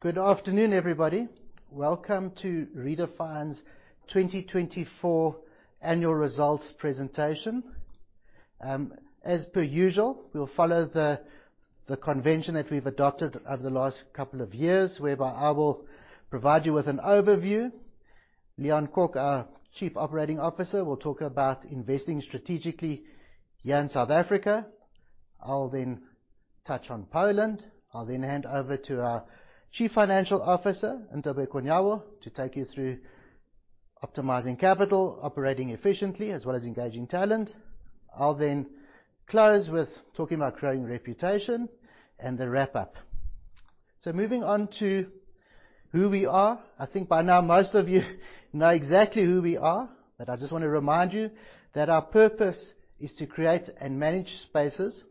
Good afternoon, everybody. Welcome to Redefine's 2024 annual results presentation. As per usual, we'll follow the convention that we've adopted over the last couple of years, whereby I will provide you with an overview. Leon Kok, our Chief Operating Officer, will talk about investing strategically here in South Africa. I'll then touch on Poland. I'll then hand over to our Chief Financial Officer, Ntobeko Nyawo, to take you through optimizing capital, operating efficiently, as well as engaging talent. I'll then close with talking about growing reputation and the wrap-up. Moving on to who we are, I think by now most of you know exactly who we are, but I just wanna remind you that our purpose is to create and manage spaces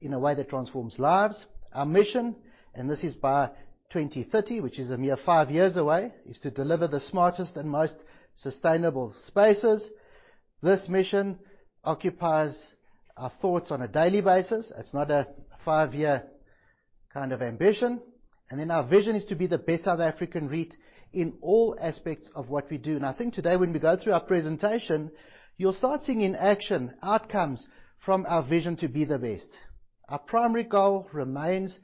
in a way that transforms lives. Our mission, and this is by 2030, which is a mere five years away, is to deliver the smartest and most sustainable spaces. This mission occupies our thoughts on a daily basis. It's not a five-year kind of ambition. Our vision is to be the best South African REIT in all aspects of what we do. I think today, when we go through our presentation, you'll start seeing in action outcomes from our vision to be the best. Our primary goal remains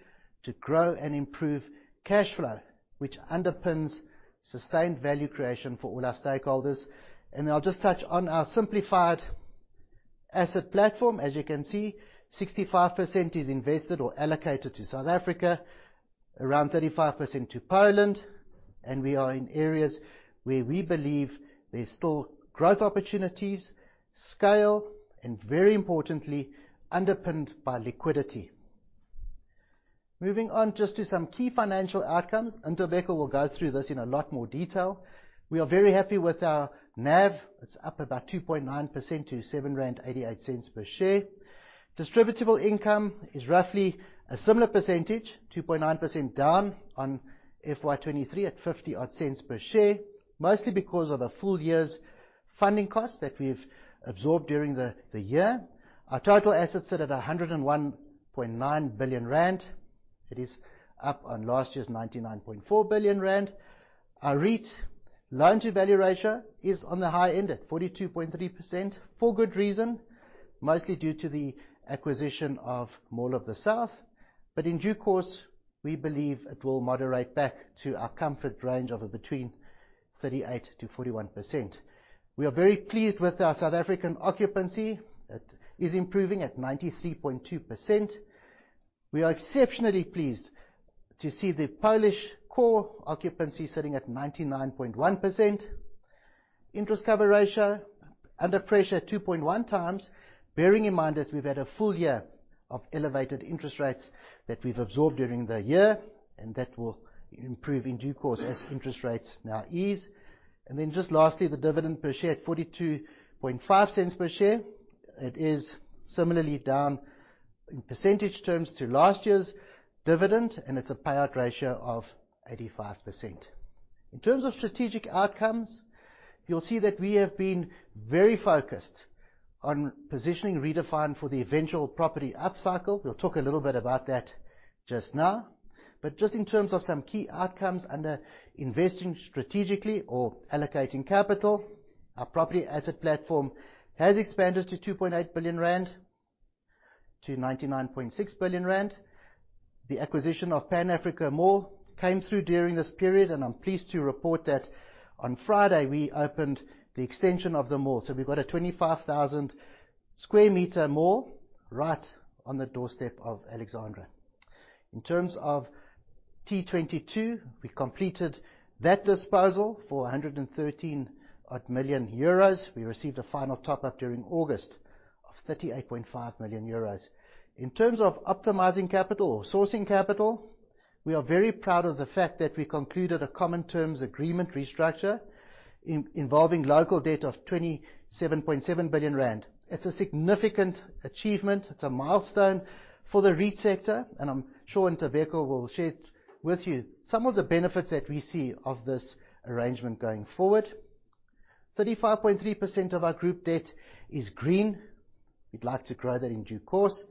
to grow and improve cash flow, which underpins sustained value creation for all our stakeholders. I'll just touch on our simplified asset platform. As you can see, 65% is invested or allocated to South Africa, around 35% to Poland, and we are in areas where we believe there's still growth opportunities, scale, and very importantly, underpinned by liquidity. Moving on just to some key financial outcomes. Ntobeko will go through this in a lot more detail. We are very happy with our NAV. It's up about 2.9% to 7.88 rand per share. Distributable income is roughly a similar percentage, 2.9% down on FY 2023 at 0.50-odd per share, mostly because of a full year's funding cost that we've absorbed during the year. Our total assets sit at 101.9 billion rand. It is up on last year's 99.4 billion rand. Our REIT loan-to-value ratio is on the high end at 42.3% for good reason, mostly due to the acquisition of Mall of the South. In due course, we believe it will moderate back to our comfort range of between 38%-41%. We are very pleased with our South African occupancy. It is improving at 93.2%. We are exceptionally pleased to see the Polish core occupancy sitting at 99.1%. Interest cover ratio under pressure 2.1x, bearing in mind that we've had a full year of elevated interest rates that we've absorbed during the year, and that will improve in due course as interest rates now ease. Just lastly, the dividend per share at 0.425 per share. It is similarly down in percentage terms to last year's dividend, and it's a payout ratio of 85%. In terms of strategic outcomes, you'll see that we have been very focused on positioning Redefine for the eventual property upcycle. We'll talk a little bit about that just now. Just in terms of some key outcomes under investing strategically or allocating capital, our property asset platform has expanded from 2.8 billion-99.6 billion rand. The acquisition of Pan Africa Mall came through during this period, and I'm pleased to report that on Friday we opened the extension of the mall. We've got a 25,000 sq m mall right on the doorstep of Alexandra. In terms of Towarowa 22, we completed that disposal for 113 odd million. We received a final top up during August of 38.5 million euros. In terms of optimizing capital or sourcing capital, we are very proud of the fact that we concluded a common terms agreement restructure involving local debt of 27.7 billion rand. It's a significant achievement. It's a milestone for the REIT sector, and I'm sure Ntobeko will share with you some of the benefits that we see of this arrangement going forward. 35.3% of our group debt is green. We'd like to grow that in due course.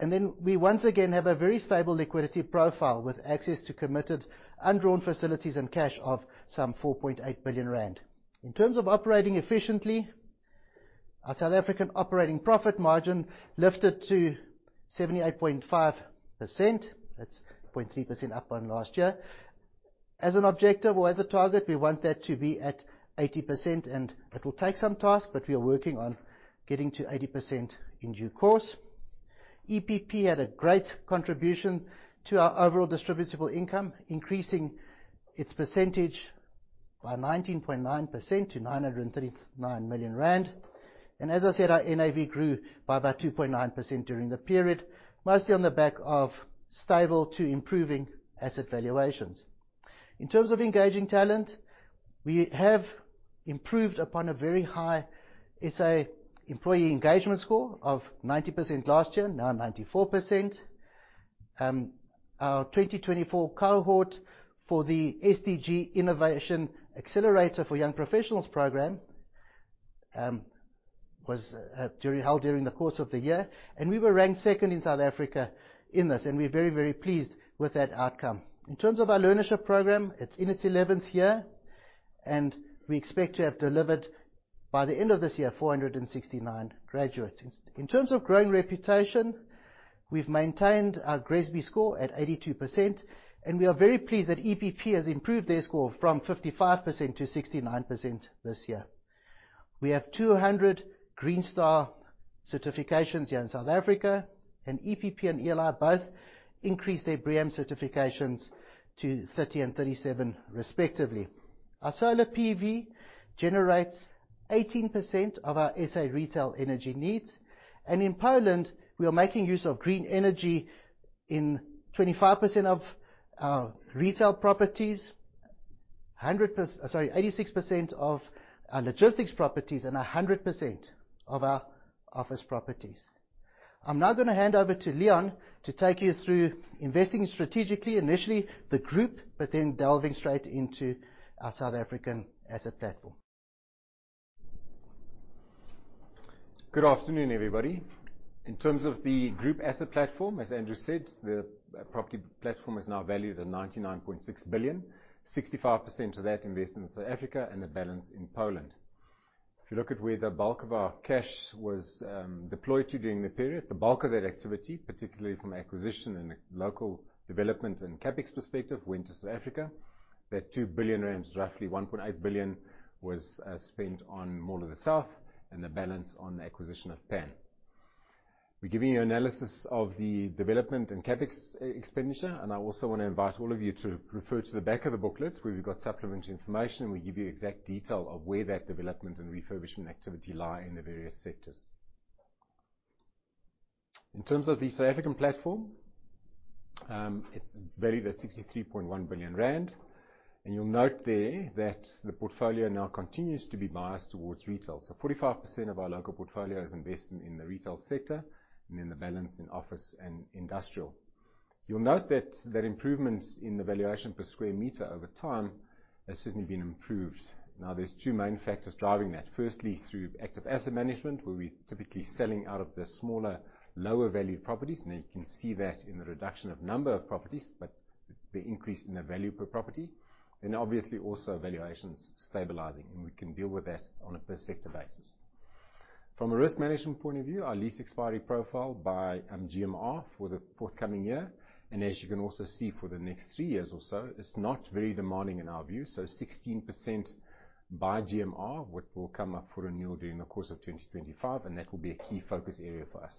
We once again have a very stable liquidity profile with access to committed undrawn facilities and cash of some 4.8 billion rand. In terms of operating efficiently, our South African operating profit margin lifted to 78.5%. That's 0.3% up on last year. As an objective or as a target, we want that to be at 80%, and it will take some task, but we are working on getting to 80% in due course. EPP had a great contribution to our overall distributable income, increasing its percentage by 19.9% to 939 million rand. As I said, our NAV grew by about 2.9% during the period, mostly on the back of stable to improving asset valuations. In terms of engaging talent, we have improved upon a very high SA employee engagement score of 90% last year, now 94%. Our 2024 cohort for the SDG Innovation Accelerator for Young Professionals Program was held during the course of the year, and we were ranked second in South Africa in this, and we're very, very pleased with that outcome. In terms of our learnership program, it's in its eleventh year, and we expect to have delivered by the end of this year 469 graduates. In terms of growing reputation, we've maintained our GRESB score at 82%, and we are very pleased that EPP has improved their score from 55%-69% this year. We have 200 green star certifications here in South Africa, and EPP and ELI both increased their BREEAM certifications to 30 and 37 respectively. Our solar PV generates 18% of our SA retail energy needs, and in Poland, we are making use of green energy in 25% of our retail properties, 86% of our logistics properties and 100% of our office properties. I'm now gonna hand over to Leon to take you through investing strategically, initially the group, but then delving straight into our South African asset platform. Good afternoon, everybody. In terms of the group asset platform, as Andrew said, the property platform is now valued at 99.6 billion. 65% of that invested in South Africa and the balance in Poland. If you look at where the bulk of our cash was deployed to during the period, the bulk of that activity, particularly from an acquisition and local development and CapEx perspective, went to South Africa. That 2 billion rand, roughly 1.8 billion, was spent on Mall of the South and the balance on the acquisition of PAN. We're giving you analysis of the development in CapEx expenditure, and I also wanna invite all of you to refer to the back of the booklet where we've got supplementary information, and we give you exact detail of where that development and refurbishment activity lie in the various sectors. In terms of the South African platform, it's valued at 63.1 billion rand. You'll note there that the portfolio now continues to be biased towards retail. 45% of our local portfolio is invested in the retail sector and then the balance in office and industrial. You'll note that improvements in the valuation per square meter over time has certainly been improved. Now there's two main factors driving that. Firstly, through active asset management, where we're typically selling out of the smaller, lower valued properties. You can see that in the reduction of number of properties, but the increase in the value per property. Obviously also valuations stabilizing, and we can deal with that on a per sector basis. From a risk management point of view, our lease expiry profile by GMR for the forthcoming year, and as you can also see for the next three years or so, is not very demanding in our view. 16% by GMR what will come up for renewal during the course of 2025, and that will be a key focus area for us.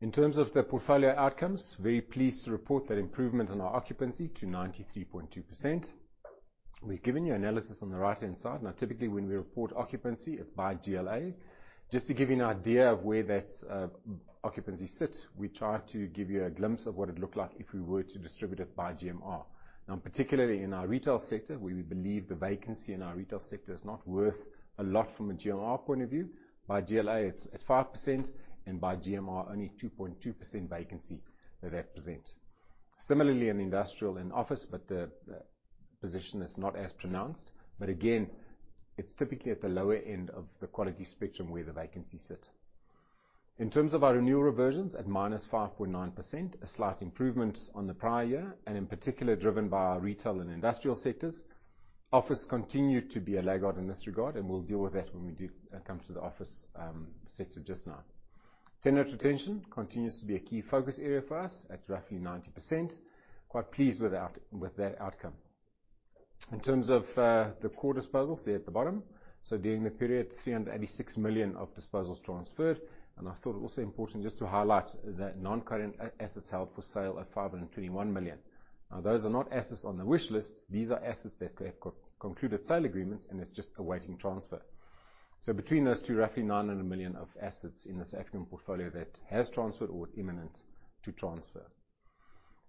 In terms of the portfolio outcomes, very pleased to report that improvement in our occupancy to 93.2%. We've given you analysis on the right-hand side. Now, typically, when we report occupancy, it's by GLA. Just to give you an idea of where that occupancy sits, we try to give you a glimpse of what it'd look like if we were to distribute it by GMR. Now, particularly in our retail sector, where we believe the vacancy in our retail sector is not worth a lot from a GMR point of view. By GLA, it's at 5%, and by GMR, only 2.2% vacancy that represents. Similarly, in industrial and office, but the position is not as pronounced. Again, it's typically at the lower end of the quality spectrum where the vacancies sit. In terms of our renewal reversions, at -5.9%, a slight improvement on the prior year, and in particular, driven by our retail and industrial sectors. Office continued to be a laggard in this regard, and we'll deal with that when we come to the office sector just now. Tenant retention continues to be a key focus area for us at roughly 90%. Quite pleased with that outcome. In terms of the core disposals, there at the bottom. During the period, 386 million of disposals transferred. I thought also important just to highlight that non-current assets held for sale are 521 million. Now, those are not assets on the wish list. These are assets that have concluded sale agreements, and it's just awaiting transfer. Between those two, roughly 900 million of assets in the South African portfolio that has transferred or is imminent to transfer.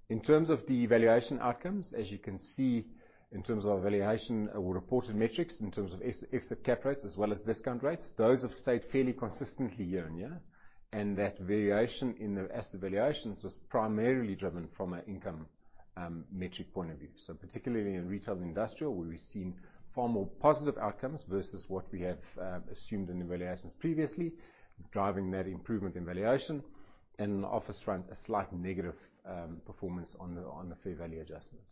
In terms of the valuation outcomes, as you can see, in terms of our valuation or reported metrics, in terms of exit cap rates as well as discount rates, those have stayed fairly consistently year on year. That variation in the asset valuations was primarily driven from an income metric point of view. Particularly in retail and industrial, where we've seen far more positive outcomes versus what we have assumed in the valuations previously, driving that improvement in valuation. On the office front, a slight negative performance on the fair value adjustment.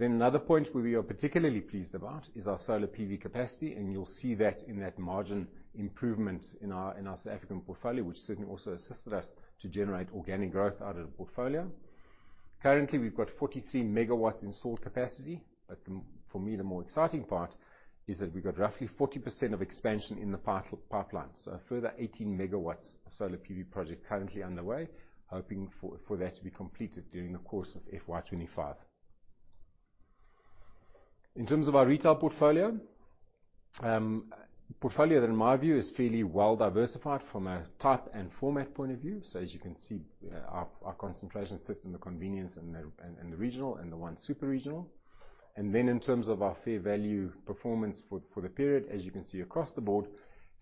Another point where we are particularly pleased about is our solar PV capacity, and you'll see that in that margin improvement in our South African portfolio, which certainly also assisted us to generate organic growth out of the portfolio. Currently, we've got 43 MW in solar capacity, but for me, the more exciting part is that we've got roughly 40% of expansion in the pipeline. A further 18 MW of solar PV project currently underway, hoping for that to be completed during the course of FY 2025. In terms of our retail portfolio in my view is fairly well diversified from a type and format point of view. As you can see, our concentration sits in the convenience and in the regional and the one super regional. In terms of our fair value performance for the period, as you can see across the board,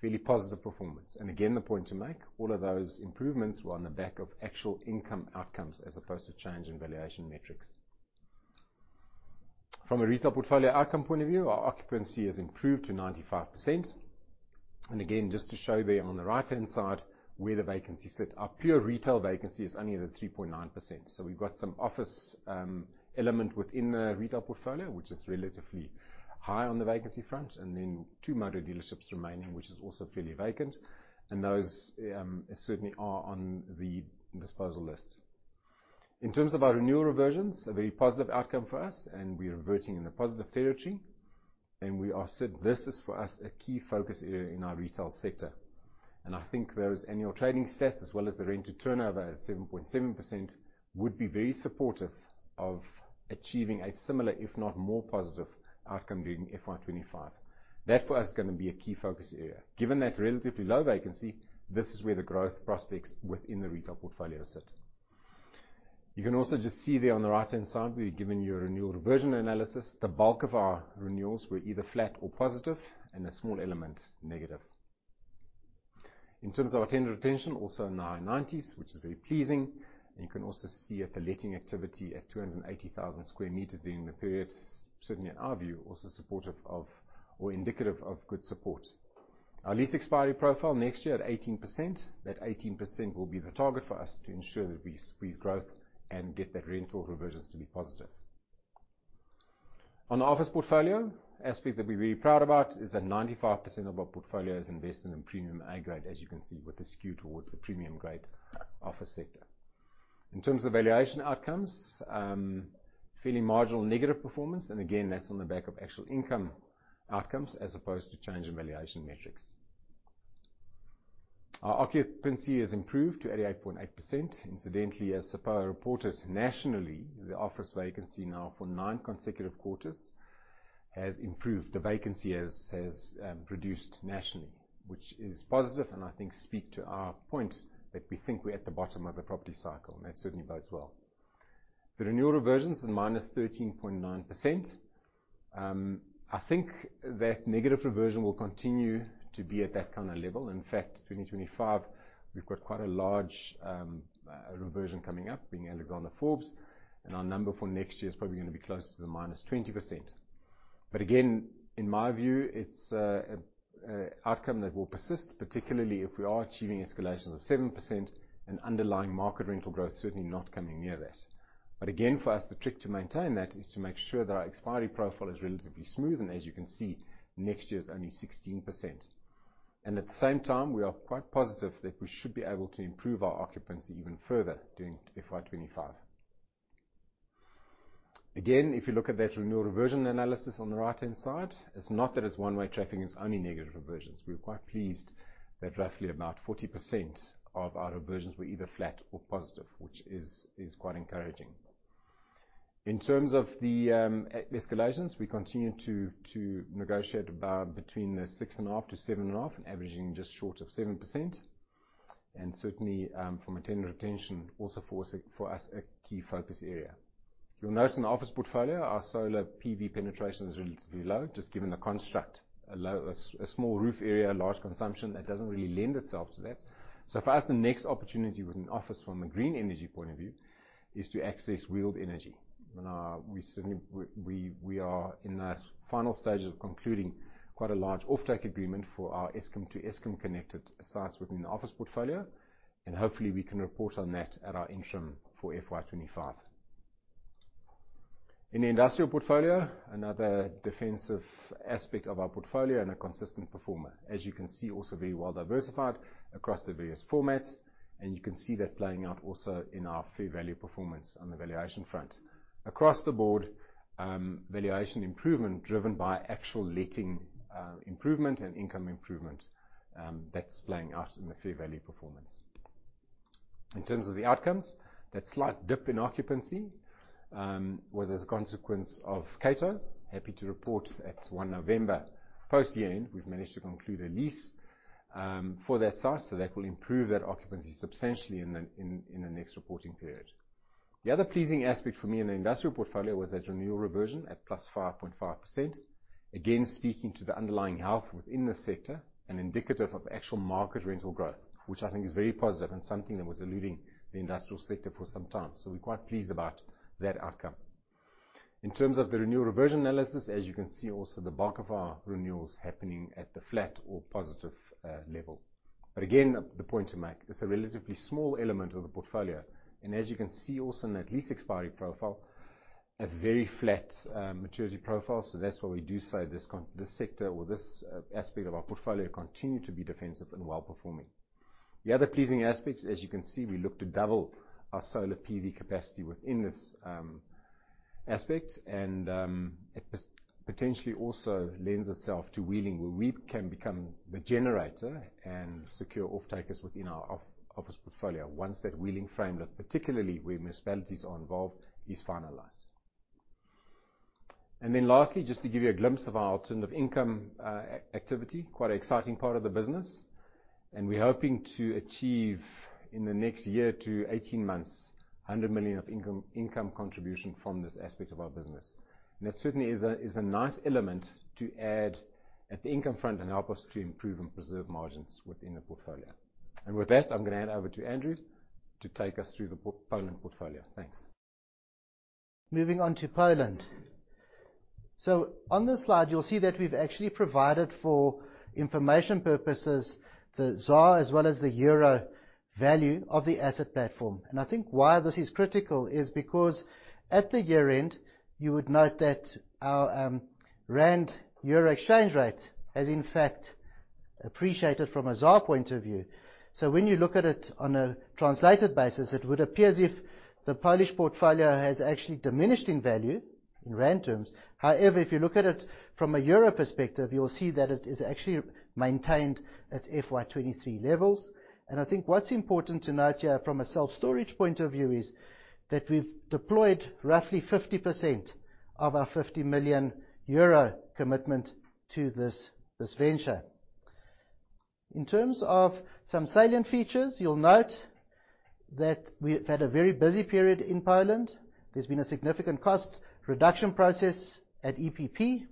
fairly positive performance. Again, the point to make, all of those improvements were on the back of actual income outcomes as opposed to change in valuation metrics. From a retail portfolio outcome point of view, our occupancy has improved to 95%. Again, just to show there on the right-hand side where the vacancies sit. Our pure retail vacancy is only at 3.9%. We've got some office element within the retail portfolio, which is relatively high on the vacancy front, and then two motor dealerships remaining, which is also fully vacant. Those certainly are on the disposal list. In terms of our renewal reversions, a very positive outcome for us, and we're reverting in the positive territory. This is, for us, a key focus area in our retail sector. I think those annual trading stats as well as the rent to turnover at 7.7% would be very supportive of achieving a similar, if not more positive, outcome during FY 2025. That, for us, is gonna be a key focus area. Given that relatively low vacancy, this is where the growth prospects within the retail portfolio sit. You can also just see there on the right-hand side, we've given you a renewal reversion analysis. The bulk of our renewals were either flat or positive, and a small element negative. In terms of our tenant retention, also in the high 90s, which is very pleasing. You can also see at the letting activity at 280,000 sq m during the period, certainly in our view, also supportive of or indicative of good support. Our lease expiry profile next year at 18%. That 18% will be the target for us to ensure that we squeeze growth and get that rental reversions to be positive. On the office portfolio, the aspect that we're really proud about is that 95% of our portfolio is invested in premium A-grade, as you can see, with a skew towards the premium-grade office sector. In terms of valuation outcomes, fairly marginal negative performance. Again, that's on the back of actual income outcomes as opposed to change in valuation metrics. Our occupancy has improved to 88.8%. Incidentally, as SAPOA reported nationally, the office vacancy now for nine consecutive quarters has improved. The vacancy has reduced nationally, which is positive and I think speak to our point that we think we're at the bottom of the property cycle, and that certainly bodes well. The renewal reversions is -13.9%. I think that negative reversion will continue to be at that kind of level. In fact, 2025, we've got quite a large reversion coming up, being Alexander Forbes. Our number for next year is probably gonna be closer to the -20%. Again, in my view, it's an outcome that will persist, particularly if we are achieving escalations of 7% and underlying market rental growth certainly not coming near that. Again, for us, the trick to maintain that is to make sure that our expiry profile is relatively smooth. As you can see, next year is only 16%. At the same time, we are quite positive that we should be able to improve our occupancy even further during FY 2025. Again, if you look at that renewal reversion analysis on the right-hand side, it's not that it's one way traffic, it's only negative reversions. We're quite pleased that roughly about 40% of our reversions were either flat or positive, which is quite encouraging. In terms of the escalations, we continue to negotiate about between 6.5%-7.5%, averaging just short of 7%. Certainly, from a tenant retention, also for us, a key focus area. You'll note in the office portfolio, our solar PV penetration is relatively low, just given the construct. A small roof area, large consumption, that doesn't really lend itself to that. So for us, the next opportunity with an office from a green energy point of view is to access wheeled energy. We are in the final stages of concluding quite a large offtake agreement for our Eskom-to-Eskom connected sites within the office portfolio. Hopefully, we can report on that at our interim for FY 2025. In the industrial portfolio, another defensive aspect of our portfolio and a consistent performer. As you can see, also very well diversified across the various formats. You can see that playing out also in our fair value performance on the valuation front. Across the board, valuation improvement driven by actual letting improvement and income improvement, that's playing out in the fair value performance. In terms of the outcomes, that slight dip in occupancy was as a consequence of Cato. Happy to report at one November, post year-end, we've managed to conclude a lease for that site, so that will improve that occupancy substantially in the next reporting period. The other pleasing aspect for me in the industrial portfolio was that renewal reversion at +5.5%. Again, speaking to the underlying health within the sector and indicative of actual market rental growth, which I think is very positive and something that was eluding the industrial sector for some time. We're quite pleased about that outcome. In terms of the renewal reversion analysis, as you can see also, the bulk of our renewals happening at the flat or positive level. Again, the point to make, it's a relatively small element of the portfolio. As you can see also in that lease expiry profile, a very flat maturity profile. That's why we do say this sector or this aspect of our portfolio continue to be defensive and well-performing. The other pleasing aspects, as you can see, we look to double our solar PV capacity within this aspect. It potentially also lends itself to wheeling, where we can become the generator and secure off-takers within our office portfolio once that wheeling framework, particularly where municipalities are involved, is finalized. Then lastly, just to give you a glimpse of our alternative income activity, quite an exciting part of the business. We're hoping to achieve in the next year to 18 months 100 million income contribution from this aspect of our business. That certainly is a nice element to add at the income front and help us to improve and preserve margins within the portfolio. With that, I'm gonna hand over to Andrew to take us through the Poland portfolio. Thanks. Moving on to Poland. On this slide, you'll see that we've actually provided for information purposes, the zloty as well as the euro value of the asset platform. I think why this is critical is because at the year-end, you would note that our rand-euro exchange rate has in fact appreciated from a zloty point of view. When you look at it on a translated basis, it would appear as if the Polish portfolio has actually diminished in value in rand terms. However, if you look at it from a euro perspective, you'll see that it is actually maintained at FY 2023 levels. I think what's important to note here from a self-storage point of view is that we've deployed roughly 50% of our 50 million euro commitment to this venture. In terms of some salient features, you'll note that we've had a very busy period in Poland. There's been a significant cost reduction process at EPP.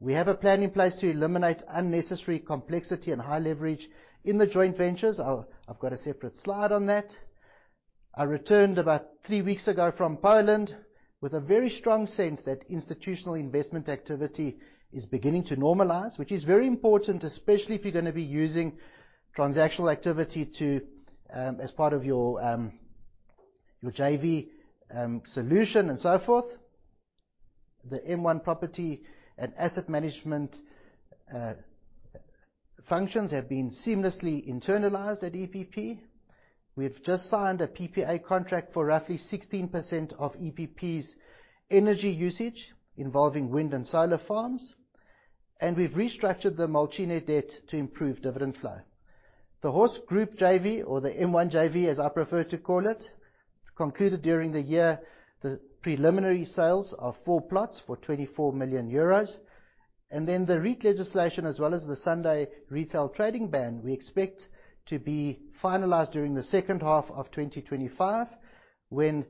We have a plan in place to eliminate unnecessary complexity and high leverage in the joint ventures. I've got a separate slide on that. I returned about three weeks ago from Poland with a very strong sense that institutional investment activity is beginning to normalize, which is very important, especially if you're gonna be using transactional activity to as part of your JV solution and so forth. The M1 property and asset management functions have been seamlessly internalized at EPP. We've just signed a PPA contract for roughly 16% of EPP's energy usage involving wind and solar farms, and we've restructured the Młociny debt to improve dividend flow. The Horse Group JV or the M1 JV, as I prefer to call it, concluded during the year the preliminary sales of four plots for 24 million euros and then the REIT legislation as well as the Sunday retail trading ban, we expect to be finalized during the second half of 2025 when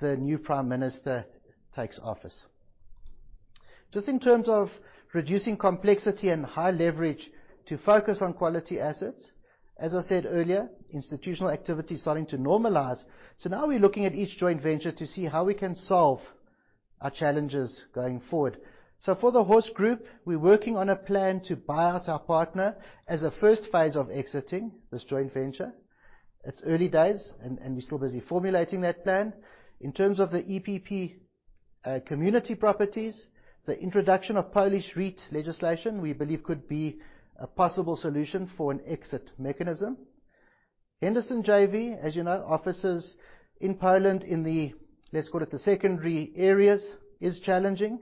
the new prime minister takes office. Just in terms of reducing complexity and high leverage to focus on quality assets, as I said earlier, institutional activity is starting to normalize. Now we're looking at each joint venture to see how we can solve our challenges going forward. For the Horse Group, we're working on a plan to buy out our partner as a first phase of exiting this joint venture. It's early days and we're still busy formulating that plan. In terms of the EPP, community properties, the introduction of Polish REIT legislation, we believe, could be a possible solution for an exit mechanism. Henderson JV, as you know, offices in Poland in the, let's call it, the secondary areas, is challenging.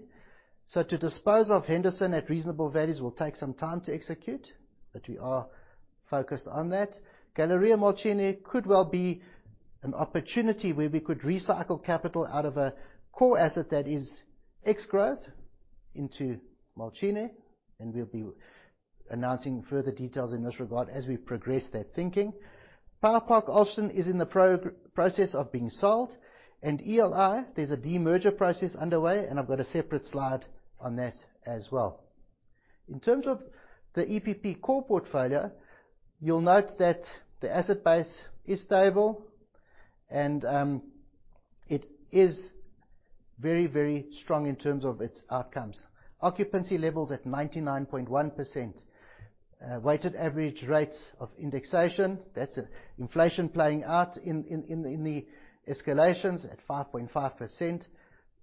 To dispose of Henderson at reasonable values will take some time to execute, but we are focused on that. Galeria Młociny could well be an opportunity where we could recycle capital out of a core asset that is ex-growth into Młociny, and we'll be announcing further details in this regard as we progress that thinking. Power Park Olsztyn is in the process of being sold. ELI, there's a demerger process underway, and I've got a separate slide on that as well. In terms of the EPP core portfolio, you'll note that the asset base is stable and it is very, very strong in terms of its outcomes. Occupancy levels at 99.1%. Weighted average rates of indexation, that's inflation playing out in the escalations at 5.5%.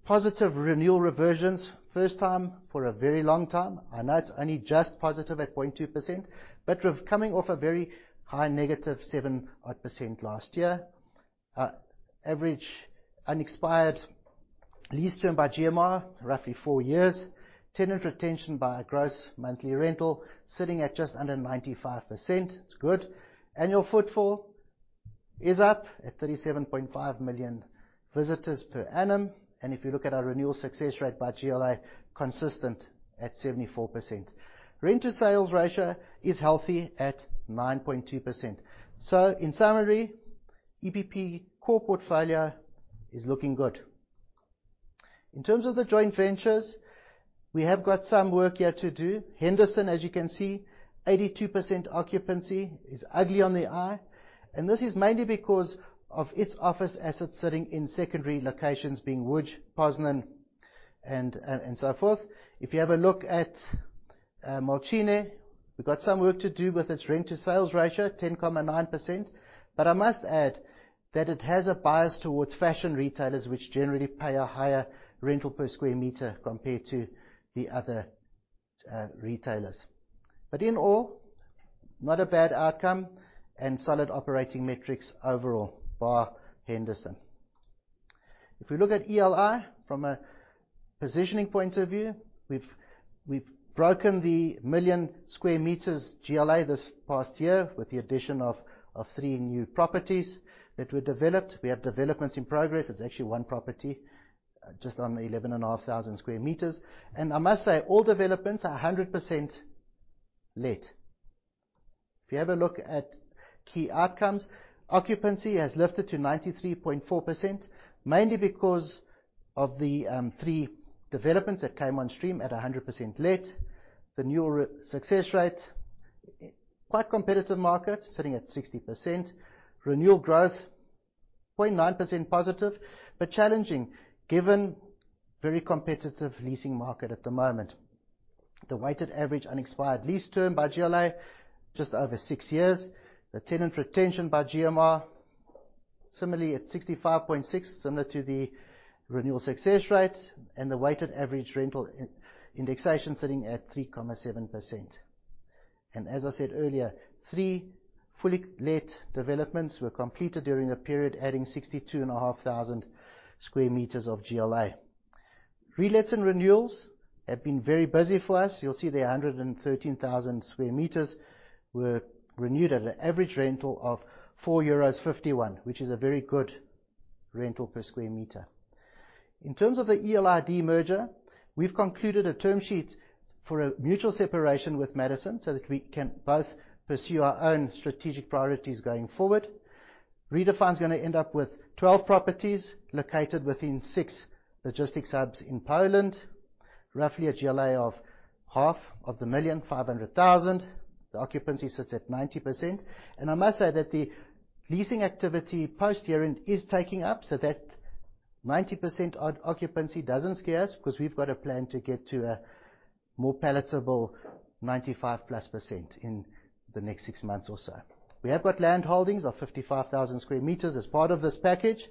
Positive renewal reversions, first time for a very long time. I know it's only just positive at 0.2%, but we're coming off a very high negative 7% odd last year. Average unexpired lease term by GMR, roughly four years. Tenant retention by gross monthly rental sitting at just under 95%. It's good. Annual footfall is up at 37.5 million visitors per annum. If you look at our renewal success rate by GLA, consistent at 74%. Rent-to-sales ratio is healthy at 9.2%. In summary, EPP core portfolio is looking good. In terms of the joint ventures, we have got some work here to do. Henderson, as you can see, 82% occupancy is ugly on the eye, and this is mainly because of its office assets sitting in secondary locations being Łódź, Poznań, and so forth. If you have a look at Młociny, we've got some work to do with its rent-to-sales ratio, 10.9%. I must add that it has a bias towards fashion retailers, which generally pay a higher rental per square meter compared to the other retailers. In all, not a bad outcome and solid operating metrics overall, bar Henderson. If we look at ELI from a positioning point of view, we've broken the million square meters GLA this past year with the addition of three new properties that were developed. We have developments in progress. It's actually one property, just under 11,500 sq m. I must say, all developments are 100% let. If you have a look at key outcomes, occupancy has lifted to 93.4%, mainly because of the three developments that came on stream at 100% let. The new success rate, quite competitive market sitting at 60%. Renewal growth 0.9%+, but challenging given very competitive leasing market at the moment. The weighted average unexpired lease term by GLA, just over six years. The tenant retention by GMR similarly at 65.6%, similar to the renewal success rate and the weighted average rental in-indexation sitting at 3.7%. As I said earlier, 3% fully let developments were completed during the period, adding 62,500 sq m of GLA. Relets and renewals have been very busy for us. You'll see the 113,000 sq m were renewed at an average rental of 4.51 euros, which is a very good rental per sq m. In terms of the ELI demerger, we've concluded a term sheet for a mutual separation with Madison so that we can both pursue our own strategic priorities going forward. Redefine is gonna end up with 12 properties located within six logistics hubs in Poland, roughly a GLA of 500,000. The occupancy sits at 90%. I must say that the leasing activity post year-end is taking up, so that 90% occupancy doesn't scare us, because we've got a plan to get to a more palatable 95%+ in the next six months or so. We have got landholdings of 55,000 sq m as part of this package,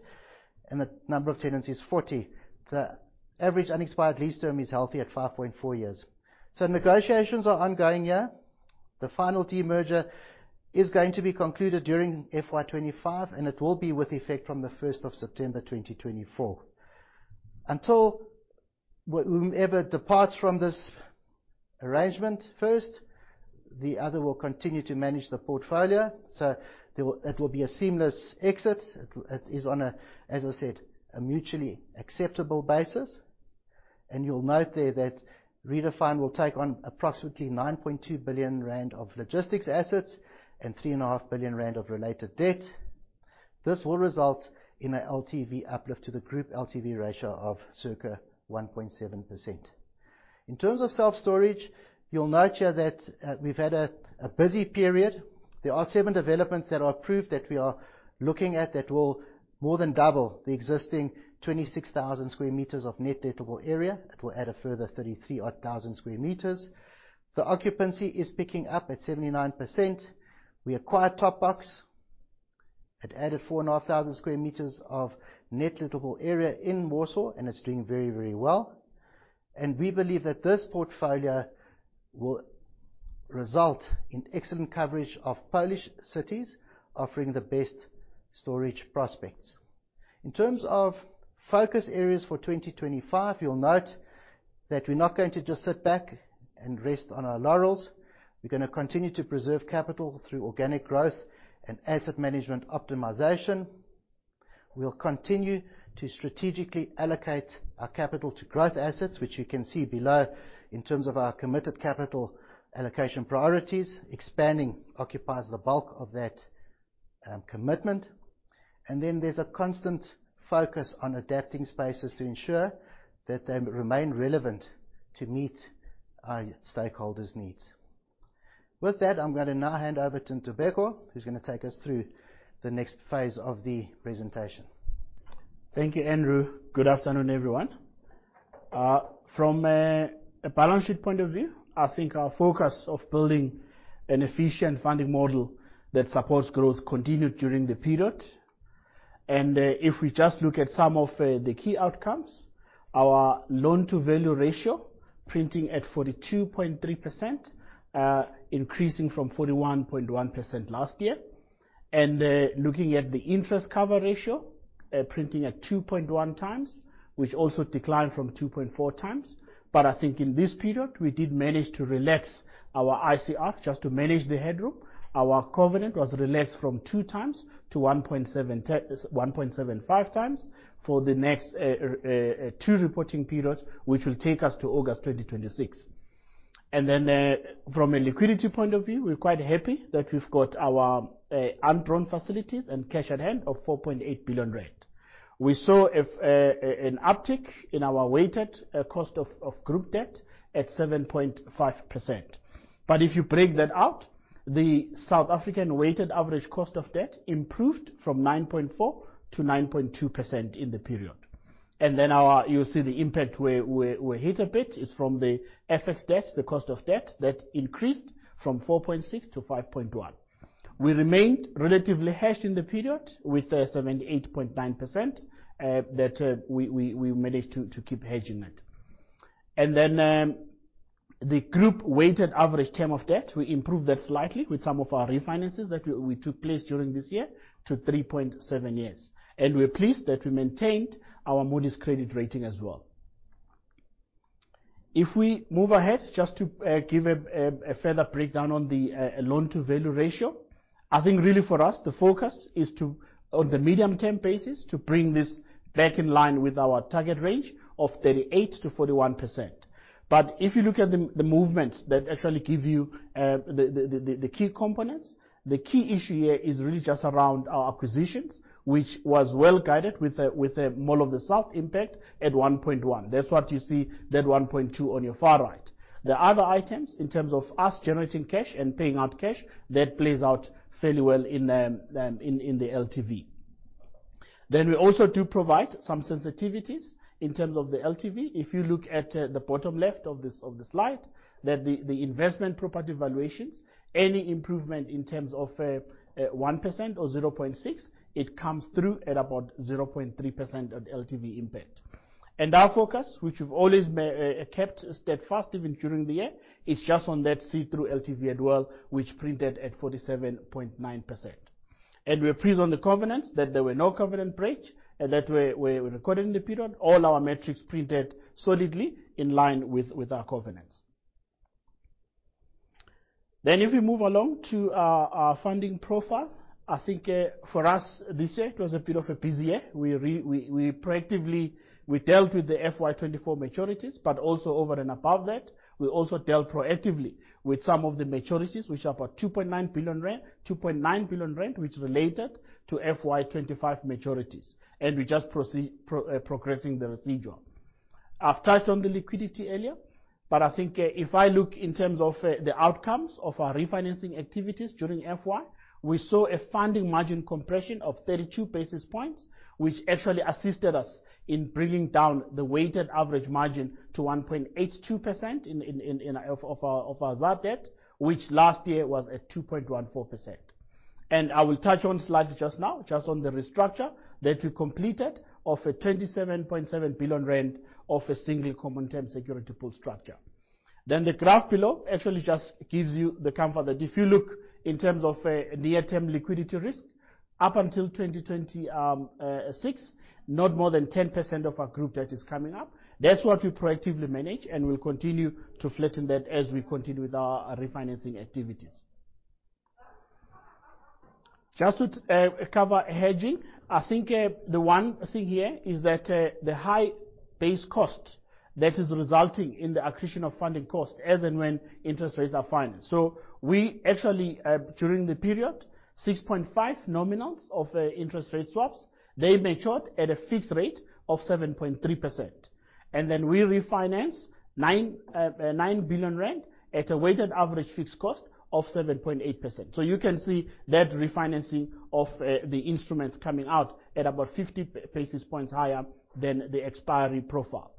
and the number of tenants is 40. The average unexpired lease term is healthy at 5.4 years. Negotiations are ongoing, yeah. The final demerger is going to be concluded during FY 2025, and it will be with effect from the September 1st, 2024. Until whomever departs from this arrangement first, the other will continue to manage the portfolio, so it will be a seamless exit. It is on a, as I said, a mutually acceptable basis. You'll note there that Redefine will take on approximately 9.2 billion rand of logistics assets and 3.5 billion rand of related debt. This will result in a LTV uplift to the group LTV ratio of circa 1.7%. In terms of self-storage, you'll note here that we've had a busy period. There are 7 developments that are approved that we are looking at that will more than double the existing 26,000 sq m of net lettable area. It will add a further 33,000 sq m. The occupancy is picking up at 79%. We acquired Top Box. It added 4,500 sq m of net lettable area in Warsaw, and it's doing very, very well. We believe that this portfolio will result in excellent coverage of Polish cities, offering the best storage prospects. In terms of focus areas for 2025, you'll note that we're not going to just sit back and rest on our laurels. We're gonna continue to preserve capital through organic growth and asset management optimization. We'll continue to strategically allocate our capital to growth assets, which you can see below in terms of our committed capital allocation priorities. Expanding occupies the bulk of that, commitment. There's a constant focus on adapting spaces to ensure that they remain relevant to meet our stakeholders' needs. With that, I'm gonna now hand over to Ntobeko, who's gonna take us through the next phase of the presentation. Thank you, Andrew. Good afternoon, everyone. From a balance sheet point of view, I think our focus of building an efficient funding model that supports growth continued during the period. If we just look at some of the key outcomes, our loan-to-value ratio printing at 42.3%, increasing from 41.1% last year. Looking at the interest cover ratio, printing at 2.1x, which also declined from 2.4x. I think in this period, we did manage to relax our ICR just to manage the headroom. Our covenant was relaxed from 2x to 1.75x for the next two reporting periods, which will take us to August 2026. From a liquidity point of view, we're quite happy that we've got our undrawn facilities and cash on hand of 4.8 billion rand. We saw an uptick in our weighted cost of group debt at 7.5%. If you break that out, the South African weighted average cost of debt improved from 9.4%-9.2% in the period. You'll see the impact where it hit a bit is from the FX debts, the cost of debt that increased from 4.6%-5.1%. We remained relatively hedged in the period with 78.9%, that we managed to keep hedging it. The group weighted average term of debt, we improved that slightly with some of our refinances that took place during this year to 3.7 years. We're pleased that we maintained our Moody's credit rating as well. If we move ahead just to give a further breakdown on the loan-to-value ratio, I think really for us the focus is on the medium-term basis to bring this back in line with our target range of 38%-41%. If you look at the movements that actually give you the key components, the key issue here is really just around our acquisitions, which was well-guided with a Mall of the South impact at 1.1%. That's what you see, that 1.2% on your far right. The other items, in terms of us generating cash and paying out cash, that plays out fairly well in the LTV. We also do provide some sensitivities in terms of the LTV. If you look at the bottom left of the slide, the investment property valuations, any improvement in terms of 1% or 0.6%, it comes through at about 0.3% of LTV impact. Our focus, which we've always maintained even during the year, is just on that see-through LTV as well, which printed at 47.9%. We are pleased on the covenants that there were no covenant breach, and that we're recorded in the period. All our metrics printed solidly in line with our covenants. If we move along to our funding profile, I think for us this year, it was a bit of a busy year. We proactively dealt with the FY 2024 maturities. Also over and above that, we also dealt proactively with some of the maturities, which are about 2.9 billion rand, which related to FY 2025 maturities, and we're just progressing the residual. I've touched on the liquidity earlier, but I think if I look in terms of the outcomes of our refinancing activities during FY, we saw a funding margin compression of 32 basis points, which actually assisted us in bringing down the weighted average margin to 1.82% of our South African Rand debt, which last year was at 2.14%. I will touch on slides just now, just on the restructure that we completed of 27.7 billion rand of a single common terms security pool structure. The graph below actually just gives you the comfort that if you look in terms of near-term liquidity risk, up until 2026, not more than 10% of our group debt is coming up. That's what we proactively manage, and we'll continue to flatten that as we continue with our refinancing activities. Just to cover hedging, I think the one thing here is that the high base cost that is resulting in the accretion of funding costs as and when interest rates are financed. We actually during the period 6.5% nominals of interest rate swaps they matured at a fixed rate of 7.3%. We refinance 9 billion rand at a weighted average fixed cost of 7.8%. You can see that refinancing of the instruments coming out at about 50 basis points higher than the expiry profile.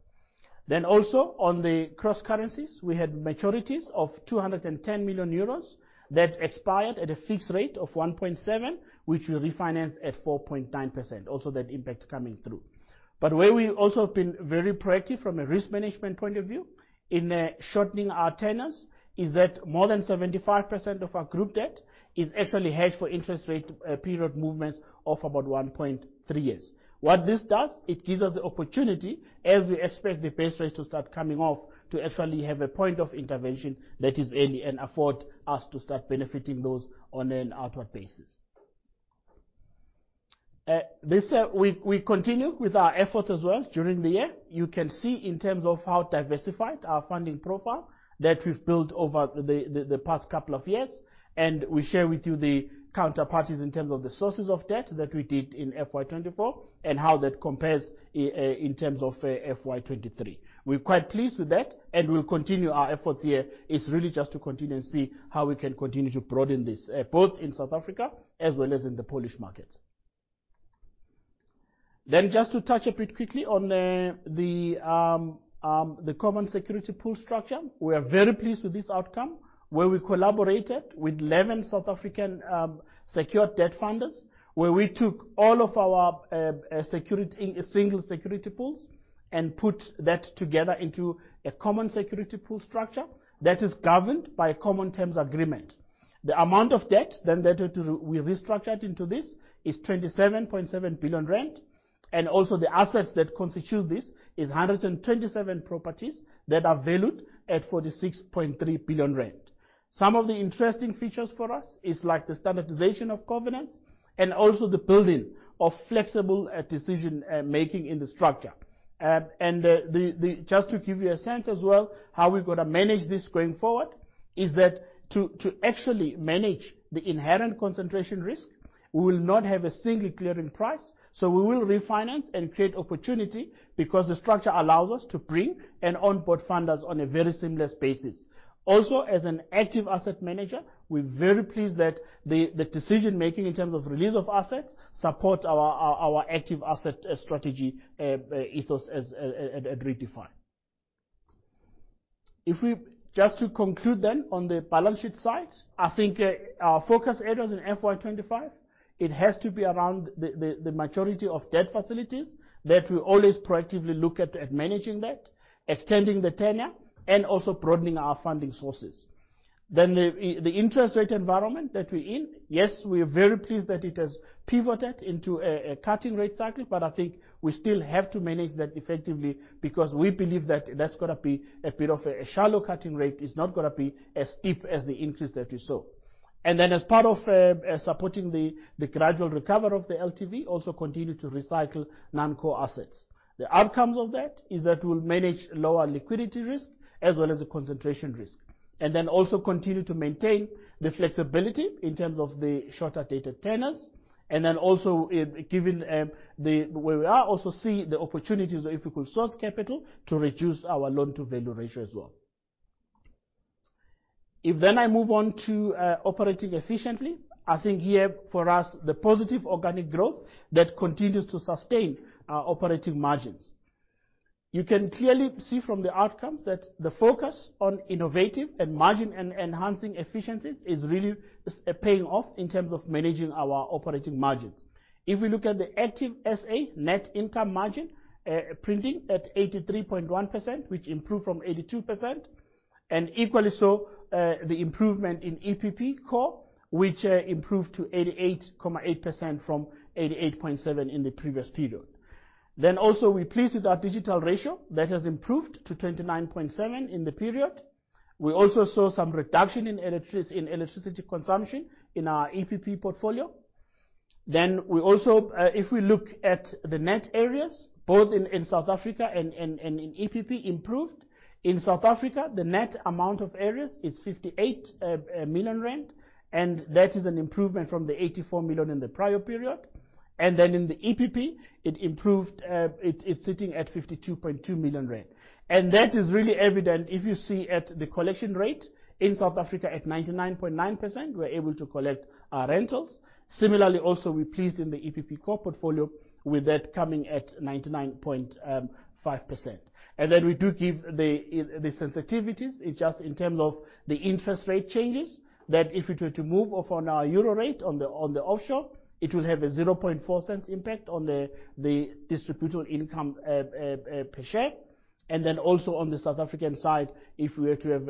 On the cross currencies, we had maturities of 210 million euros that expired at a fixed rate of 1.7%, which we refinance at 4.9%. That impact coming through. Where we also have been very proactive from a risk management point of view in shortening our tenors is that more than 75% of our group debt is actually hedged for interest rate period movements of about 1.3 years. What this does, it gives us the opportunity, as we expect the base rates to start coming off, to actually have a point of intervention that is early and afford us to start benefiting those on an outward basis. We continue with our efforts as well during the year. You can see in terms of how diversified our funding profile that we've built over the past couple of years, and we share with you the counterparties in terms of the sources of debt that we did in FY 2024 and how that compares in terms of FY 2023. We're quite pleased with that, and we'll continue our efforts here. It's really just to continue and see how we can continue to broaden this, both in South Africa as well as in the Polish market. Just to touch a bit quickly on the common security pool structure. We are very pleased with this outcome. Where we collaborated with 11 South African secured debt funders, where we took all of our single security pools and put that together into a common security pool structure that is governed by a common terms agreement. The amount of debt then that we restructured into this is 27.7 billion rand, and also the assets that constitute this is 127 properties that are valued at 46.3 billion rand. Some of the interesting features for us is like the standardization of covenants and also the building of flexible decision making in the structure. Just to give you a sense as well, how we're gonna manage this going forward is that to actually manage the inherent concentration risk, we will not have a single clearing price. We will refinance and create opportunity because the structure allows us to bring and onboard funders on a very seamless basis. Also, as an active asset manager, we're very pleased that the decision-making in terms of release of assets support our active asset strategy ethos as at Redefine. Just to conclude then on the balance sheet side, I think our focus areas in FY 2025 it has to be around the maturity of debt facilities that we always proactively look at managing that, extending the tenure, and also broadening our funding sources. The interest rate environment that we're in, yes, we are very pleased that it has pivoted into a cutting rate cycle, but I think we still have to manage that effectively because we believe that that's gonna be a bit of a shallow cutting rate is not gonna be as steep as the increase that we saw. As part of supporting the gradual recovery of the LTV, also continue to recycle non-core assets. The outcomes of that is that we'll manage lower liquidity risk as well as the concentration risk. Also continue to maintain the flexibility in terms of the shorter-dated tenants, and then also given the where we are, also see the opportunities if we could source capital to reduce our loan-to-value ratio as well. I move on to operating efficiently. I think here for us, the positive organic growth that continues to sustain our operating margins. You can clearly see from the outcomes that the focus on innovative and margin-enhancing efficiencies is really paying off in terms of managing our operating margins. If we look at the Active SA net income margin, printing at 83.1%, which improved from 82%, and equally so, the improvement in EPP Core, which improved to 88.8% from 88.7% in the previous period. We're pleased with our digital ratio. That has improved to 29.7% in the period. We also saw some reduction in electricity consumption in our EPP portfolio. We also, if we look at the net arrears, both in South Africa and in EPP improved. In South Africa, the net arrears is 58 million rand, and that is an improvement from 84 million in the prior period. In the EPP, it improved, it's sitting at 52.2 million rand. That is really evident if you see at the collection rate in South Africa at 99.9%, we're able to collect our rentals. Similarly, also we're pleased in the EPP core portfolio with that coming at 99.5%. We do give the sensitivities. It's just in terms of the interest rate changes that if we were to move up on our Euro rate on the offshore, it will have a 0.04 impact on the distributable income per share. Then also on the South African side, if we were to have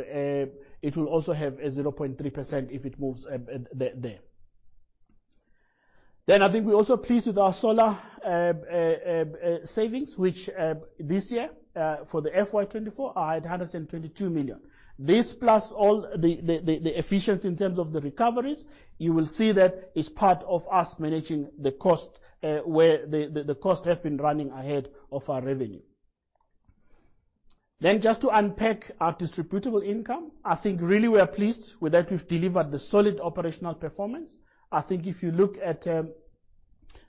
it will also have a 0.3% if it moves there. I think we're also pleased with our solar savings, which this year for the FY 2024 are at 122 million. This plus all the efficiency in terms of the recoveries, you will see that is part of us managing the cost, where the cost has been running ahead of our revenue. Just to unpack our distributable income, I think really we are pleased with that we've delivered the solid operational performance. I think if you look at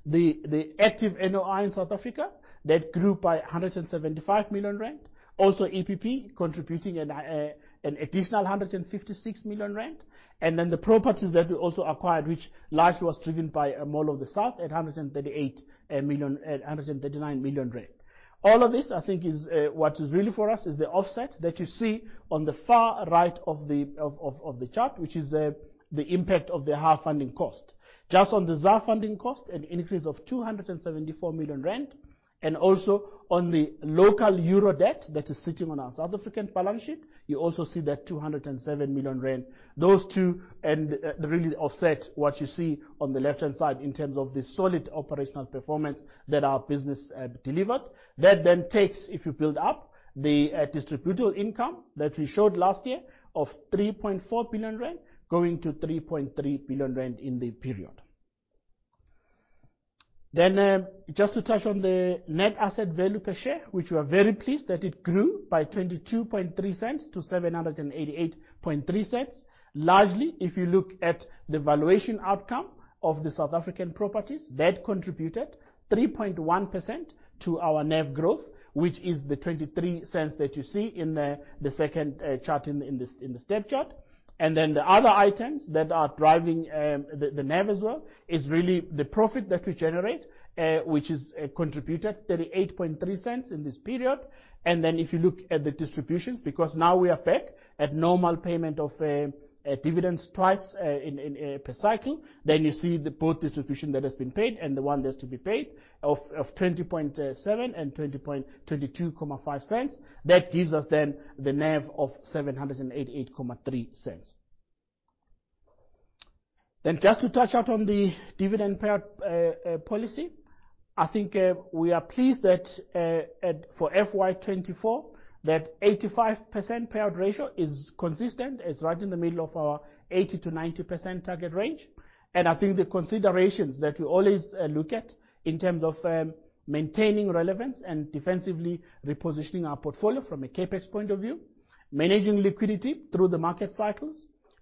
the active NOI in South Africa, that grew by 175 million rand. Also EPP contributing an additional 156 million rand. The properties that we also acquired, which largely was driven by Mall of the South at 138 million-139 million rand. All of this, I think, is what is really for us the offset that you see on the far right of the chart, which is the impact of the higher funding cost. Just on the ZAR funding cost, an increase of 274 million rand, and also on the local EUR debt that is sitting on our South African balance sheet, you also see that 207 million rand. Those two really offset what you see on the left-hand side in terms of the solid operational performance that our business delivered. That then takes, if you build up the distributable income that we showed last year of 3.4 billion rand going to 3.3 billion rand in the period. Just to touch on the net asset value per share, which we are very pleased that it grew by 0.223-7.883. Largely, if you look at the valuation outcome of the South African properties, that contributed 3.1% to our NAV growth, which is the 0.23 that you see in the second chart in the step chart. The other items that are driving the NAV as well is really the profit that we generate, which has contributed 0.383 in this period. If you look at the distributions, because now we are back at normal payment of dividends twice in per cycle, then you see the both distribution that has been paid and the one that's to be paid of 20.7 and 20.22. That gives us the NAV of 7.883. Just to touch on the dividend payout policy. I think we are pleased that for FY 2024, that 85% payout ratio is consistent. It's right in the middle of our 80%-90% target range. I think the considerations that we always look at in terms of maintaining relevance and defensively repositioning our portfolio from a CapEx point of view, managing liquidity through the market cycles,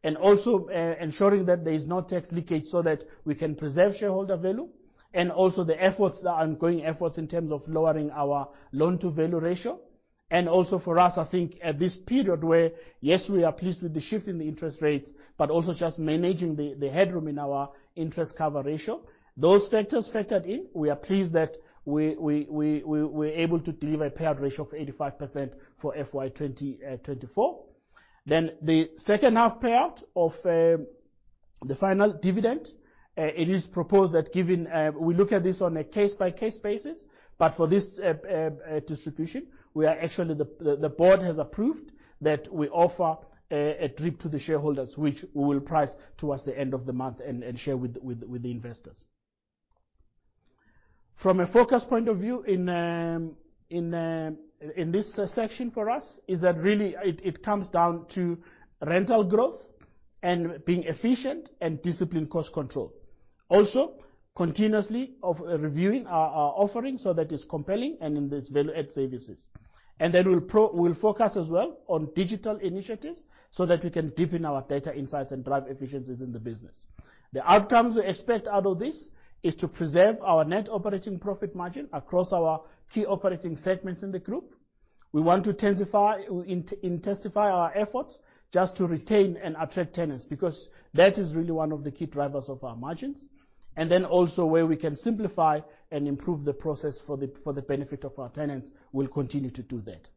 and also ensuring that there is no tax leakage so that we can preserve shareholder value, and also the ongoing efforts in terms of lowering our loan-to-value ratio. Also for us, I think at this period where, yes, we are pleased with the shift in the interest rates, but also just managing the headroom in our interest coverage ratio. Those factors factored in, we are pleased that we're able to deliver a payout ratio of 85% for FY 2024. The final dividend, it is proposed that given we look at this on a case-by-case basis, but for this distribution, the board has approved that we offer a DRIP to the shareholders which we will price towards the end of the month and share with the investors. From a focus point of view in this section for us is that really it comes down to rental growth and being efficient and disciplined cost control. Also continuous review of our offerings so that it's compelling and in this value-add services. We'll focus as well on digital initiatives so that we can deepen our data insights and drive efficiencies in the business. The outcomes we expect out of this is to preserve our net operating profit margin across our key operating segments in the group. We want to intensify our efforts just to retain and attract tenants, because that is really one of the key drivers of our margins. Where we can simplify and improve the process for the benefit of our tenants, we'll continue to do that.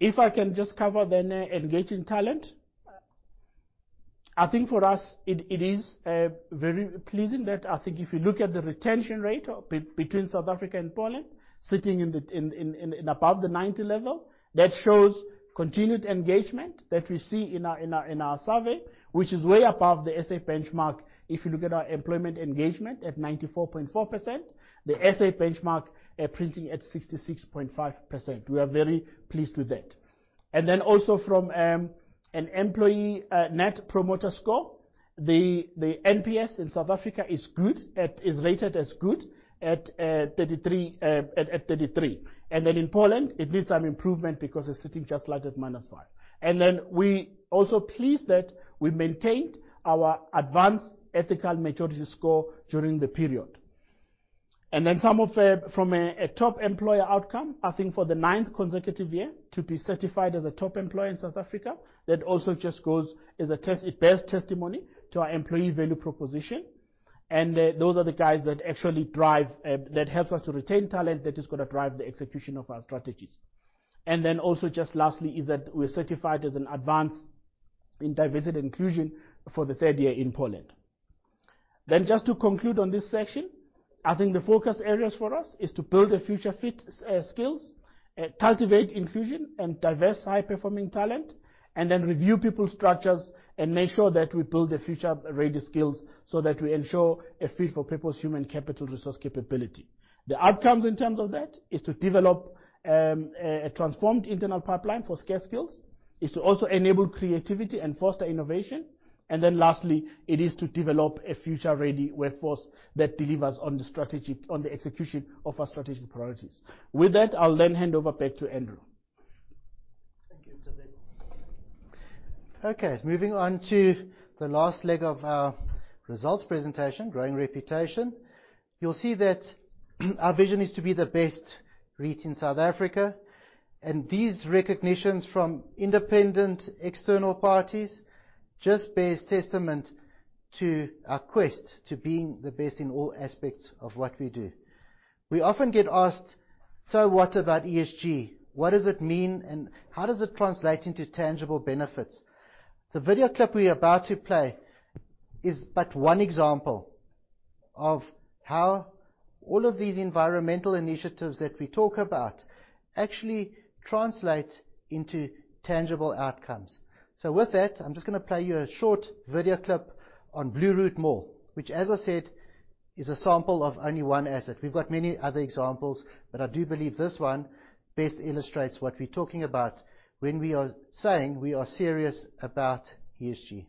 If I can just cover, then engaging talent. I think for us it is very pleasing that I think if you look at the retention rate between South Africa and Poland, sitting above the 90 level, that shows continued engagement that we see in our survey, which is way above the SA benchmark if you look at our employment engagement at 94.4%, the SA benchmark printing at 66.5%. We are very pleased with that. Also from an employee net promoter score, the NPS in South Africa is rated as good at 33%. In Poland, it needs some improvement because it is sitting just slightly at -5%. We are also pleased that we maintained our advanced ethical maturity score during the period. From a top employer outcome, I think for the ninth consecutive year to be certified as a top employer in South Africa, that also just goes as a testament. It bears testimony to our employee value proposition. Those are the guys that actually drive that helps us to retain talent that is gonna drive the execution of our strategies. Then also just lastly is that we're certified as an advanced in diversity and inclusion for the third year in Poland. Just to conclude on this section, I think the focus areas for us is to build a future-fit skills, cultivate inclusion and diverse high-performing talent, and then review people structures and make sure that we build the future-ready skills so that we ensure a fit for purpose human capital resource capability. The outcomes in terms of that is to develop a transformed internal pipeline for scarce skills, is to also enable creativity and foster innovation. Lastly, it is to develop a future-ready workforce that delivers on the strategy, on the execution of our strategic priorities. With that, I'll then hand over back to Andrew. Thank you, Ntobeko. Okay, moving on to the last leg of our results presentation, growing reputation. You'll see that our vision is to be the best REIT in South Africa, and these recognitions from independent external parties just bears testament to our quest to being the best in all aspects of what we do. We often get asked, "So what about ESG? What does it mean, and how does it translate into tangible benefits?" The video clip we're about to play is but one example of how all of these environmental initiatives that we talk about actually translate into tangible outcomes. With that, I'm just gonna play you a short video clip on Blue Route Mall, which as I said, is a sample of only one asset. We've got many other examples, but I do believe this one best illustrates what we're talking about when we are saying we are serious about ESG.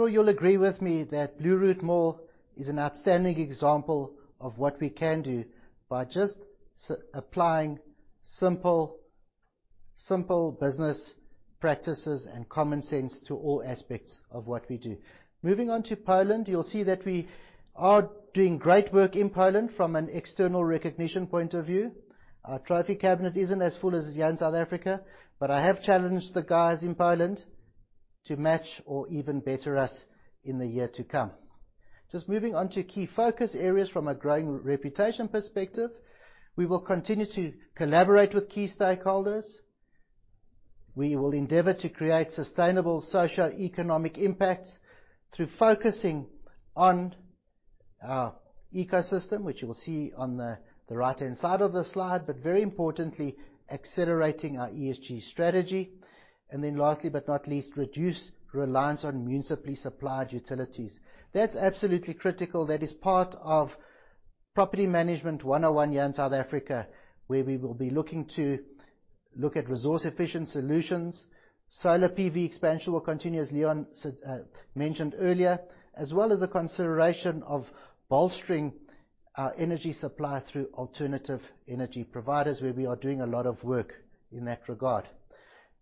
I'm sure you'll agree with me that Blue Route Mall is an outstanding example of what we can do by just applying simple business practices and common sense to all aspects of what we do. Moving on to Poland, you'll see that we are doing great work in Poland from an external recognition point of view. Our trophy cabinet isn't as full as here in South Africa, but I have challenged the guys in Poland to match or even better us in the year to come. Just moving on to key focus areas from a growing reputation perspective. We will continue to collaborate with key stakeholders. We will endeavor to create sustainable socioeconomic impacts through focusing on our ecosystem, which you will see on the right-hand side of the slide, but very importantly, accelerating our ESG strategy. Lastly but not least, reduce reliance on municipally supplied utilities. That's absolutely critical. That is part of property management 101 here in South Africa, where we will be looking at resource-efficient solutions. Solar PV expansion will continue, as Leon mentioned earlier, as well as a consideration of bolstering our energy supply through alternative energy providers, where we are doing a lot of work in that regard.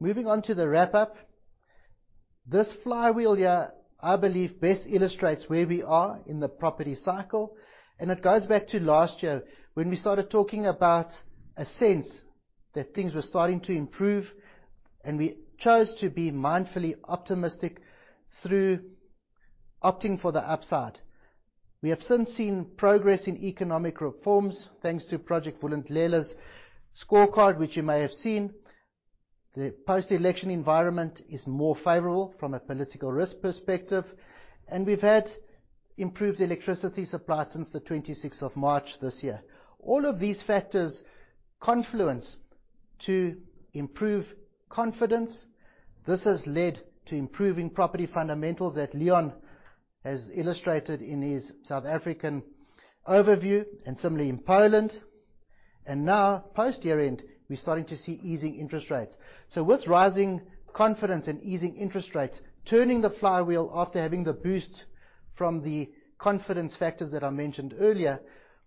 Moving on to the wrap-up. This flywheel here, I believe, best illustrates where we are in the property cycle, and it goes back to last year when we started talking about a sense that things were starting to improve, and we chose to be mindfully optimistic through opting for the upside. We have since seen progress in economic reforms, thanks to Operation Vulindlela's scorecard, which you may have seen. The post-election environment is more favorable from a political risk perspective, and we've had improved electricity supply since the March 26th this year. All of these factors confluence to improve confidence. This has led to improving property fundamentals that Leon has illustrated in his South African overview and similarly in Poland. Now post-year-end, we're starting to see easing interest rates. With rising confidence and easing interest rates, turning the flywheel after having the boost from the confidence factors that I mentioned earlier,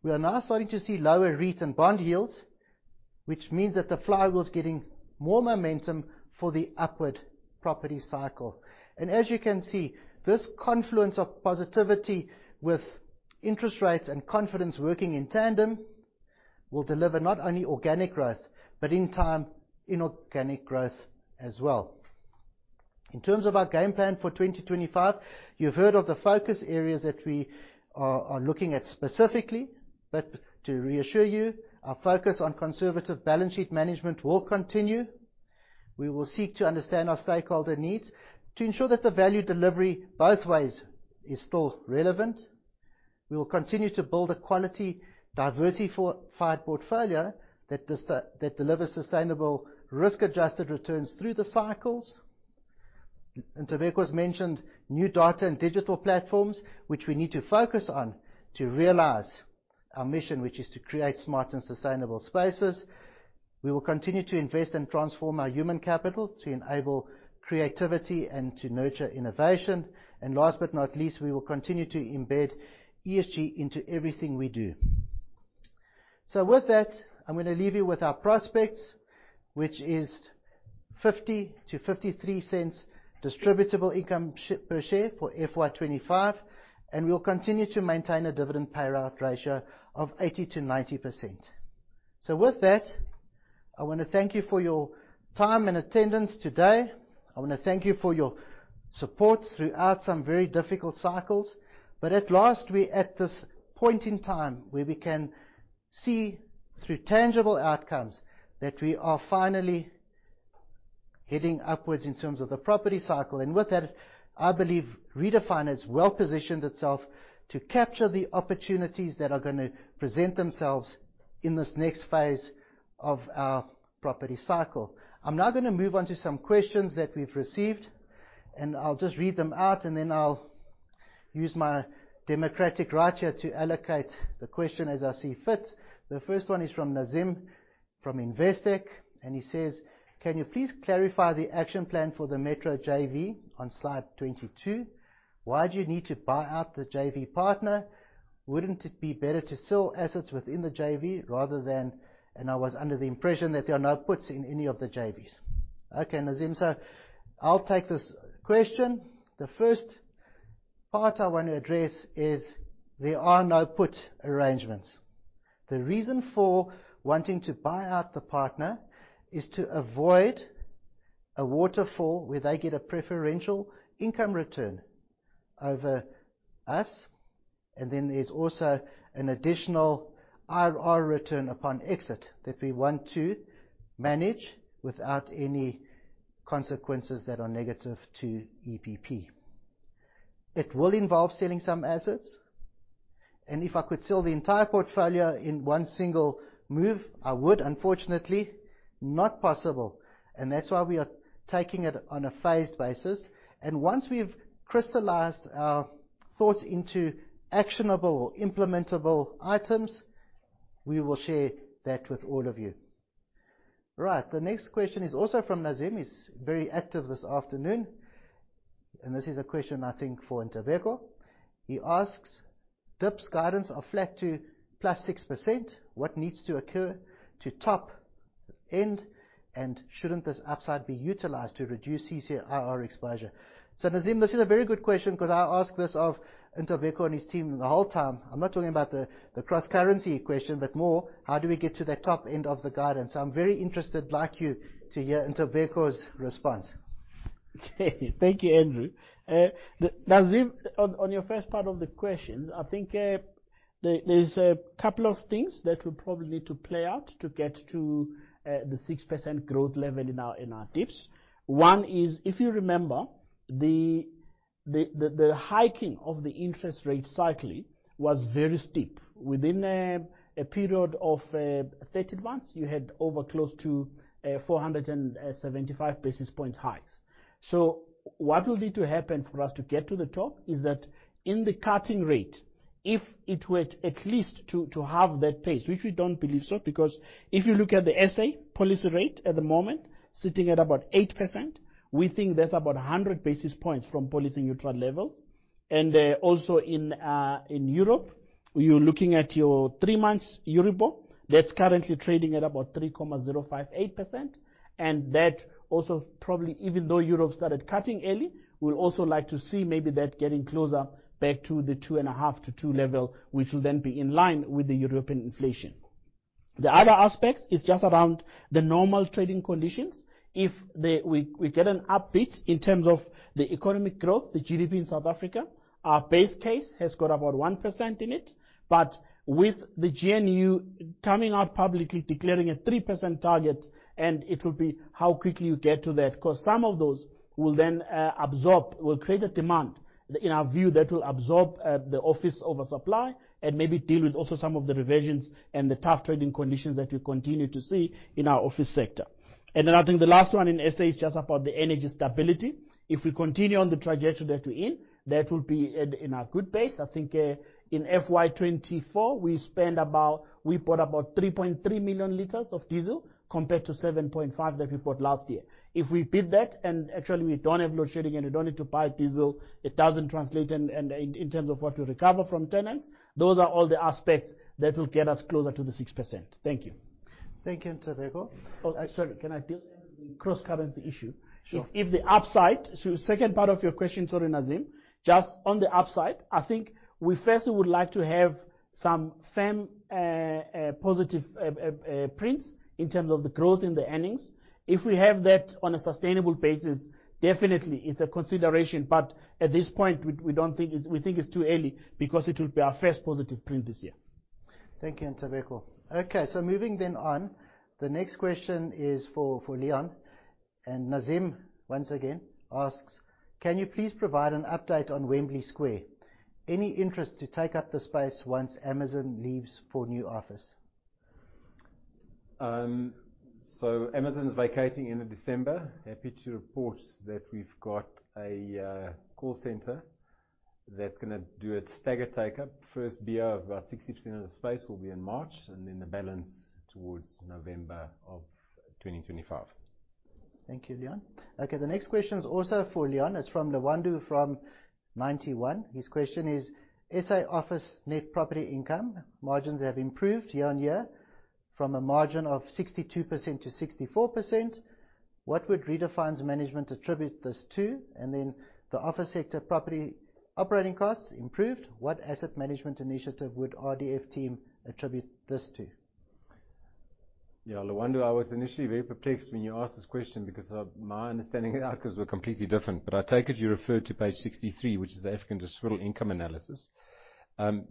we are now starting to see lower REIT and bond yields, which means that the flywheel is getting more momentum for the upward property cycle. As you can see, this confluence of positivity with interest rates and confidence working in tandem will deliver not only organic growth, but in time, inorganic growth as well. In terms of our game plan for 2025, you've heard of the focus areas that we are looking at specifically. To reassure you, our focus on conservative balance sheet management will continue. We will seek to understand our stakeholder needs to ensure that the value delivery both ways is still relevant. We will continue to build a quality, diversified portfolio that delivers sustainable risk-adjusted returns through the cycles. Ntobeko has mentioned new data and digital platforms, which we need to focus on to realize our mission, which is to create smart and sustainable spaces. We will continue to invest and transform our human capital to enable creativity and to nurture innovation. Last but not least, we will continue to embed ESG into everything we do. With that, I'm gonna leave you with our prospects, which is 0.50-0.53 distributable income per share for FY 2025, and we'll continue to maintain a dividend payout ratio of 80%-90%. With that, I wanna thank you for your time and attendance today. I wanna thank you for your support throughout some very difficult cycles. At last, we're at this point in time where we can see through tangible outcomes that we are finally heading upwards in terms of the property cycle. With that, I believe Redefine has well-positioned itself to capture the opportunities that are gonna present themselves in this next phase of our property cycle. I'm now gonna move on to some questions that we've received, and I'll just read them out, and then I'll use my democratic right here to allocate the question as I see fit. The first one is from Nazim, from Investec, and he says, "Can you please clarify the action plan for the Metro JV on slide 22? Why do you need to buy out the JV partner? Wouldn't it be better to sell assets within the JV rather than.. I was under the impression that there are no puts in any of the JVs." Okay, Nazim, I'll take this question. The first part I want to address is there are no put arrangements. The reason for wanting to buy out the partner is to avoid a waterfall where they get a preferential income return over us. There's also an additional IRR return upon exit that we want to manage without any consequences that are negative to EPP. It will involve selling some assets, and if I could sell the entire portfolio in one single move, I would. Unfortunately, not possible, and that's why we are taking it on a phased basis. Once we've crystallized our thoughts into actionable, implementable items, we will share that with all of you. Right. The next question is also from Nazim. He's very active this afternoon, and this is a question, I think, for Ntobeko. He asks, "DIPS guidance of flat to +6%, what needs to occur to top end, and shouldn't this upside be utilized to reduce CCIR exposure?" Nazim, this is a very good question because I ask this of Ntobeko and his team the whole time. I'm not talking about the cross-currency question, but more how do we get to the top end of the guidance? I'm very interested, like you, to hear Ntobeko's response. Thank you, Andrew. Nazim, on your first part of the question, I think, there's a couple of things that will probably need to play out to get to the 6% growth level in our DIPS. One is, if you remember, the hiking of the interest rate cycle was very steep. Within a period of 30 months, you had over close to 475 basis point hikes. What will need to happen for us to get to the top is that in the cutting rate, if it were at least to halve that pace, which we don't believe so, because if you look at the SA policy rate at the moment, sitting at about 8%, we think that's about 100 basis points from policy neutral levels. Also in Europe, you're looking at your three-month EURIBOR that's currently trading at about 3.058%. that also probably, even though Europe started cutting early, we'd also like to see maybe that getting closer back to the 2.5%-2% level, which will then be in line with the European inflation. The other aspect is just around the normal trading conditions. If we get an upbeat in terms of the economic growth, the GDP in South Africa, our base case has got about 1% in it. With the GNU coming out publicly declaring a 3% target, and it will be how quickly you get to that, 'cause some of those will then create a demand, in our view, that will absorb the office oversupply and maybe deal with also some of the reversions and the tough trading conditions that we continue to see in our office sector. I think the last one in SA is just about the energy stability. If we continue on the trajectory that we're in, that will be at a good pace. I think in FY 2024 we bought about 3.3 million L of diesel compared to 7.5 million L that we bought last year. If we beat that and actually we don't have load shedding and we don't need to buy diesel, it doesn't translate in terms of what we recover from tenants. Those are all the aspects that will get us closer to the 6%. Thank you. Thank you, Ntobeko. Oh, sorry, can I deal with the cross-currency issue? Sure. If the upside, second part of your question, sorry, Nazim. Just on the upside, I think we firstly would like to have some firm positive prints in terms of the growth in the earnings. If we have that on a sustainable basis, definitely it's a consideration. At this point, we think it's too early because it will be our first positive print this year. Thank you, Ntobeko. Okay, moving then on. The next question is for Leon, and Nazim, once again, asks: Can you please provide an update on Wembley Square? Any interest to take up the space once Amazon leaves for new office? Amazon's vacating end of December. Happy to report that we've got a call center that's gonna do a staggered take-up. First BR of about 60% of the space will be in March, and then the balance towards November 2025. Thank you, Leon. Okay, the next question is also for Leon. It's from Lwando from Ninety One. His question is: SA office net property income margins have improved year-on-year from a margin of 62%-64%. What would Redefine's management attribute this to? The office sector property operating costs improved. What asset management initiative would RDF team attribute this to? Yeah, Lwando, I was initially very perplexed when you asked this question because my understanding of the outcomes were completely different. I take it you refer to page 63, which is the African distributable income analysis.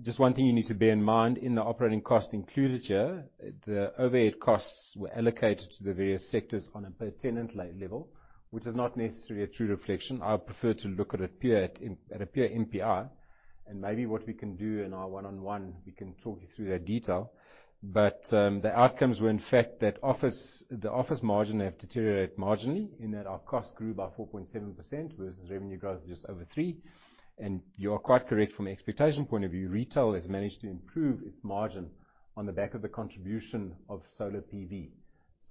Just one thing you need to bear in mind, in the operating cost included here, the overhead costs were allocated to the various sectors on a per tenant level, which is not necessarily a true reflection. I prefer to look at it pure, at a pure NPI. Maybe what we can do in our one-on-one, we can talk you through that detail. The outcomes were in fact that the office margin have deteriorated marginally in that our costs grew by 4.7% versus revenue growth of just over 3%. You are quite correct from expectation point of view. Retail has managed to improve its margin on the back of the contribution of solar PV.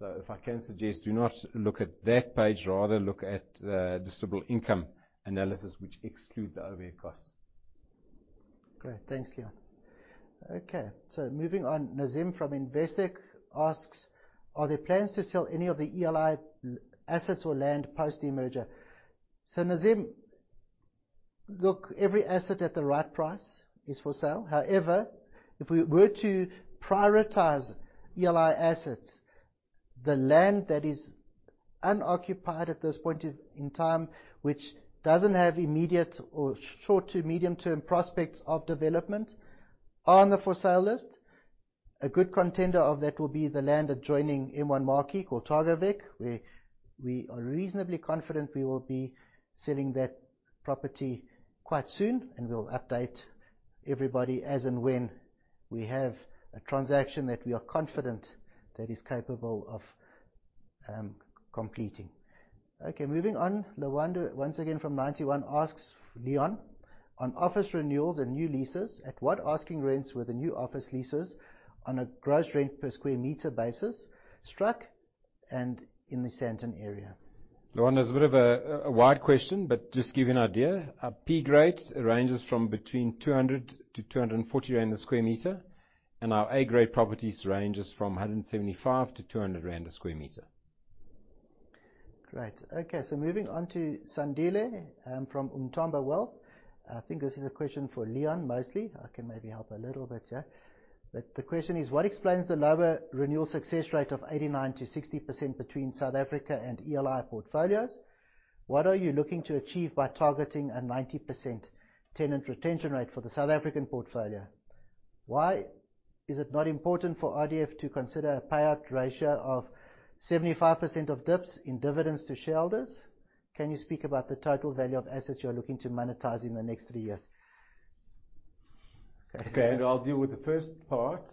If I can suggest, do not look at that page. Rather look at the distributable income analysis, which exclude the overhead costs. Great. Thanks, Leon. Okay, moving on. Nazim from Investec asks: Are there plans to sell any of the ELI assets or land post the merger? Nazim, look, every asset at the right price is for sale. However, if we were to prioritize ELI assets, the land that is unoccupied at this point in time, which doesn't have immediate or short to medium term prospects of development, are on the for sale list. A good contender of that will be the land adjoining M1 Marki, called Targówek, where we are reasonably confident we will be selling that property quite soon, and we'll update everybody as and when we have a transaction that we are confident that is capable of completing. Okay, moving on. Lwando, once again from Ninety One asks Leon: On office renewals and new leases, at what asking rents were the new office leases on a gross rent per square meter basis struck and in the Sandton area? Lwando, it's a bit of a wide question, but just give you an idea. Our P grade ranges from between 200-240 rand sq m, and our A grade properties ranges from 175-200 rand sq m. Great. Okay, moving on to Sandile from Umthombo Wealth. I think this is a question for Leon, mostly. I can maybe help a little bit here. The question is: what explains the lower renewal success rate of 89%-60% between South Africa and ELI portfolios? What are you looking to achieve by targeting a 90% tenant retention rate for the South African portfolio? Why is it not important for RDF to consider a payout ratio of 75% of DIPS in dividends to shareholders? Can you speak about the total value of assets you are looking to monetize in the next three years? Okay. I'll deal with the first part.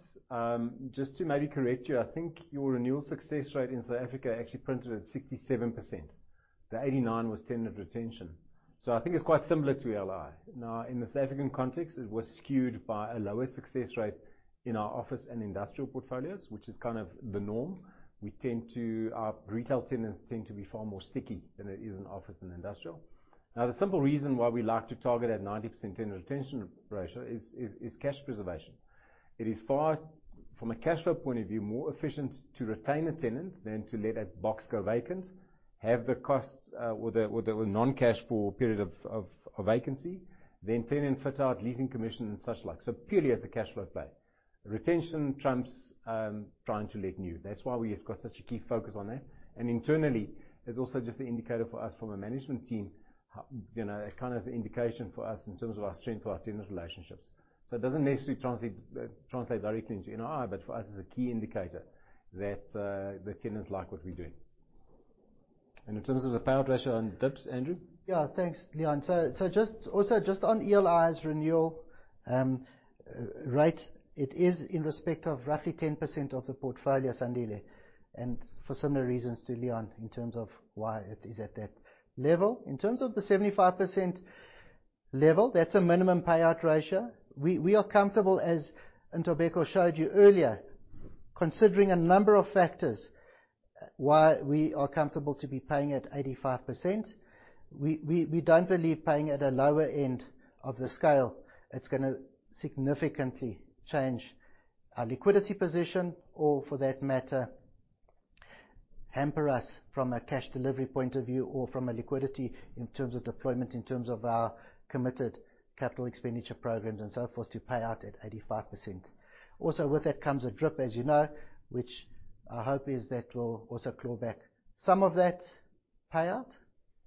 Just to maybe correct you, I think your renewal success rate in South Africa actually printed at 67%. The 89% was tenant retention. I think it's quite similar to ELI. Now, in the South African context, it was skewed by a lower success rate in our office and industrial portfolios, which is kind of the norm. We tend to. Our retail tenants tend to be far more sticky than it is in office and industrial. Now, the simple reason why we like to target a 90% tenant retention ratio is cash preservation. It is far, from a cash flow point of view, more efficient to retain a tenant than to let a box go vacant, have the costs, or the non-cash for a period of vacancy, then incur fit-out leasing commission and such like. Purely as a cash flow play. Retention trumps trying to let new. That's why we have got such a key focus on that. Internally, it's also just an indicator for us from a management team, how, you know, a kind of indication for us in terms of our strength of our tenant relationships. It doesn't necessarily translate directly into NI, but for us is a key indicator that the tenants like what we're doing. In terms of the payout ratio on dips, Andrew. Yeah. Thanks, Leon. Just also on ELI's renewal rate, it is in respect of roughly 10% of the portfolio, Sandile, and for similar reasons to Leon in terms of why it is at that level. In terms of the 75% level, that's a minimum payout ratio. We are comfortable, as Ntobeko showed you earlier, considering a number of factors why we are comfortable to be paying at 85%. We don't believe paying at a lower end of the scale, it's gonna significantly change our liquidity position, or for that matter, hamper us from a cash delivery point of view or from a liquidity in terms of deployment, in terms of our committed capital expenditure programs and so forth to pay out at 85%. With that comes a DRIP, as you know, which our hope is that we'll also claw back some of that payout,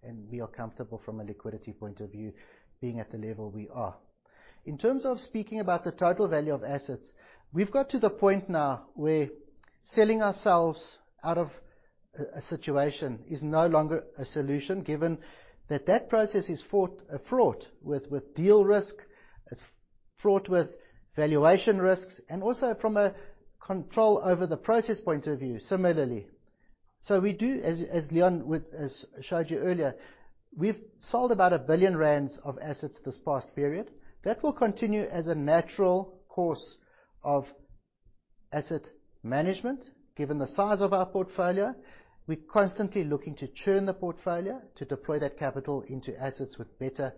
and we are comfortable from a liquidity point of view, being at the level we are. In terms of speaking about the total value of assets, we've got to the point now where selling ourselves out of a situation is no longer a solution, given that that process is fraught with deal risk, it's fraught with valuation risks, and also from a control over the process point of view, similarly. We do, as Leon showed you earlier, we've sold about 1 billion rand of assets this past period. That will continue as a natural course of asset management, given the size of our portfolio. We're constantly looking to churn the portfolio to deploy that capital into assets with better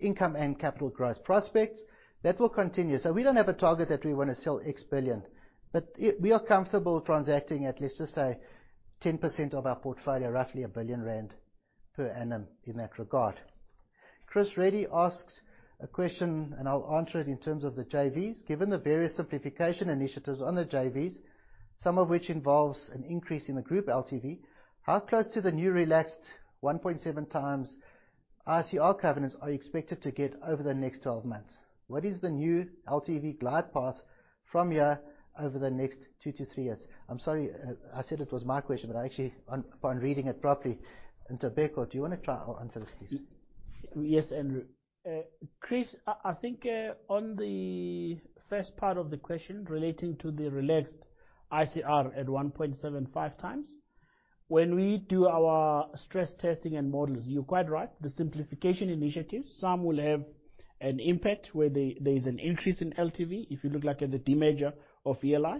income and capital growth prospects. That will continue. We don't have a target that we wanna sell X billion. We are comfortable transacting at, let's just say, 10% of our portfolio, roughly 1 billion rand per annum in that regard. Chris Mamarelis asks a question, and I'll answer it in terms of the JVs. Given the various simplification initiatives on the JVs, some of which involves an increase in the group LTV, how close to the new relaxed 1.7x ICR covenants are you expected to get over the next 12 months? What is the new LTV glide path from here over the next two to three years? I'm sorry, I said it was my question, but actually on, upon reading it properly, Ntobeko, do you wanna try answer this, please? Yes, Andrew. Chris, I think on the first part of the question relating to the relaxed ICR at 1.75x, when we do our stress testing and models, you're quite right, the simplification initiatives, some will have an impact where there is an increase in LTV, if you look at the demerger of ELI.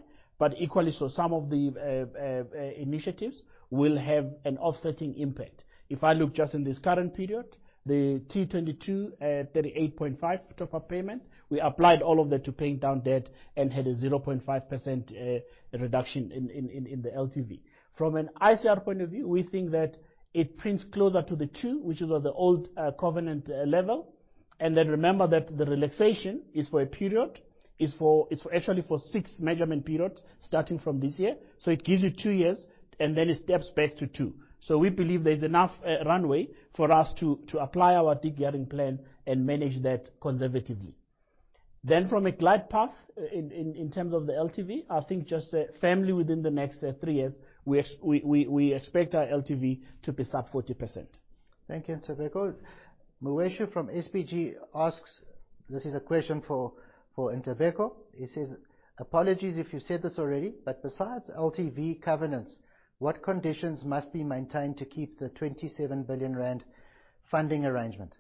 Equally so, some of the initiatives will have an offsetting impact. If I look just in this current period, the 2022 at 38.5% top-up payment, we applied all of that to paying down debt and had a 0.5% reduction in the LTV. From an ICR point of view, we think that it prints closer to the 2%, which is at the old covenant level. Remember that the relaxation is for a period, actually for six measurement periods starting from this year. It gives you two years, and then it steps back to two. We believe there's enough runway for us to apply our degearing plan and manage that conservatively. From a glide path in terms of the LTV, I think just firmly within the next three years, we expect our LTV to be sub 40%. Thank you, Ntobeko. Mweshi from SBG asks, this is a question for Ntobeko. He says, apologies if you've said this already, but besides LTV covenants, what conditions must be maintained to keep the 27 billion rand funding arrangement?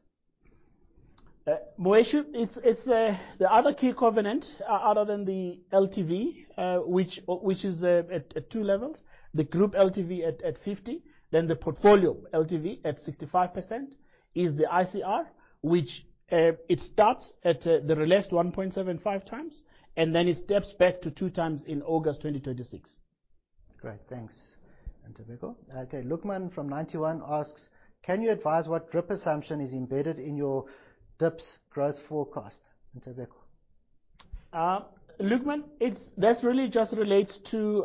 Mweshe, it's the other key covenant other than the LTV, which is at two levels, the group LTV at 50, then the portfolio LTV at 65%, is the ICR, which it starts at the relaxed 1.75x, and then it steps back to 2x in August 2026. Great. Thanks, Ntobeko. Okay, Luqman from Ninety One asks, "Can you advise what DRIP assumption is embedded in your DIPS growth forecast?" Ntobeko. Luqman, this really just relates to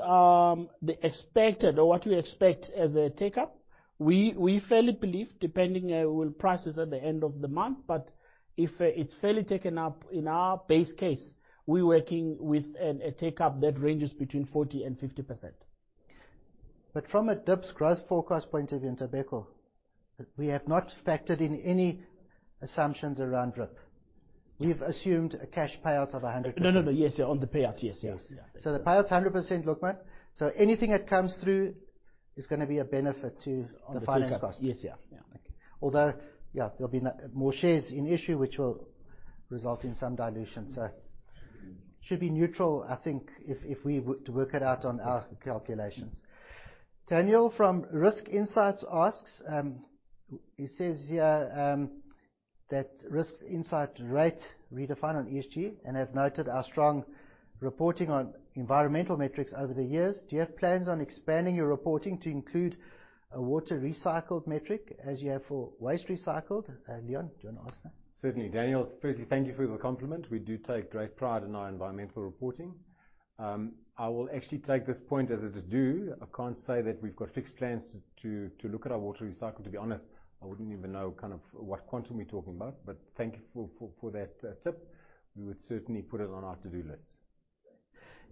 the expected or what we expect as a take-up. We fairly believe, depending on when prices at the end of the month. If it's fairly taken up in our base case, we're working with a take-up that ranges between 40% and 50%. From a DIPS growth forecast point of view, Ntobeko, we have not factored in any assumptions around DRIP. We've assumed a cash payout of 100%. No, no. Yes. On the payout, yes. The payout is 100% Luqman. Anything that comes through is gonna be a benefit to on the finance cost. Yes. Yeah. Yeah. Although, yeah, there'll be no more shares in issue which will result in some dilution. Should be neutral, I think, if we work it out on our calculations. Daniel from Risk Insights asks. He says here that, "Risk Insights rate Redefine on ESG and have noted our strong reporting on environmental metrics over the years. Do you have plans on expanding your reporting to include a water recycled metric as you have for waste recycled?" Leon, do you wanna answer that? Certainly, Daniel. Firstly, thank you for the compliment. We do take great pride in our environmental reporting. I will actually take this point as it is due. I can't say that we've got fixed plans to look at our water recycle. To be honest, I wouldn't even know kind of what quantum we're talking about. But thank you for that tip. We would certainly put it on our to-do list.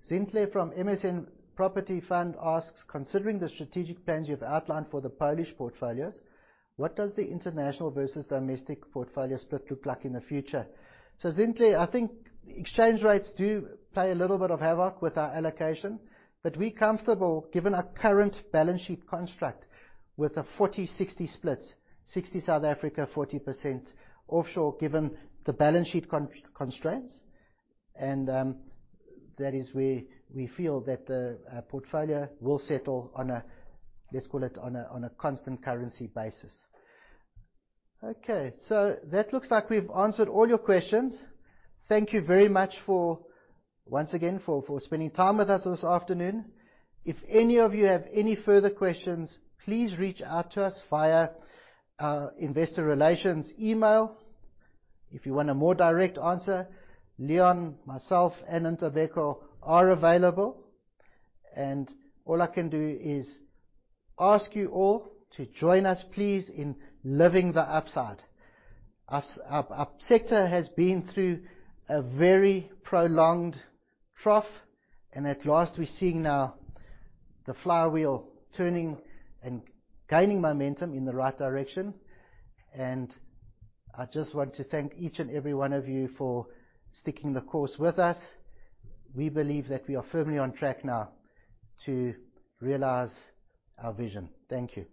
Zinhle from MSM Property Fund asks, "Considering the strategic plans you've outlined for the Polish portfolios, what does the international versus domestic portfolio split look like in the future?" Zintle, I think exchange rates do play a little bit of havoc with our allocation, but we're comfortable, given our current balance sheet construct, with a 40/60 split. 60% South Africa, 40% offshore, given the balance sheet constraints. That is where we feel that the portfolio will settle on a constant currency basis. Okay. That looks like we've answered all your questions. Thank you very much for, once again, spending time with us this afternoon. If any of you have any further questions, please reach out to us via our investor relations email. If you want a more direct answer, Leon, myself, and Ntobeko are available. All I can do is ask you all to join us, please, in living the upside. Our sector has been through a very prolonged trough, and at last, we're seeing now the flywheel turning and gaining momentum in the right direction. I just want to thank each and every one of you for sticking to the course with us. We believe that we are firmly on track now to realize our vision. Thank you.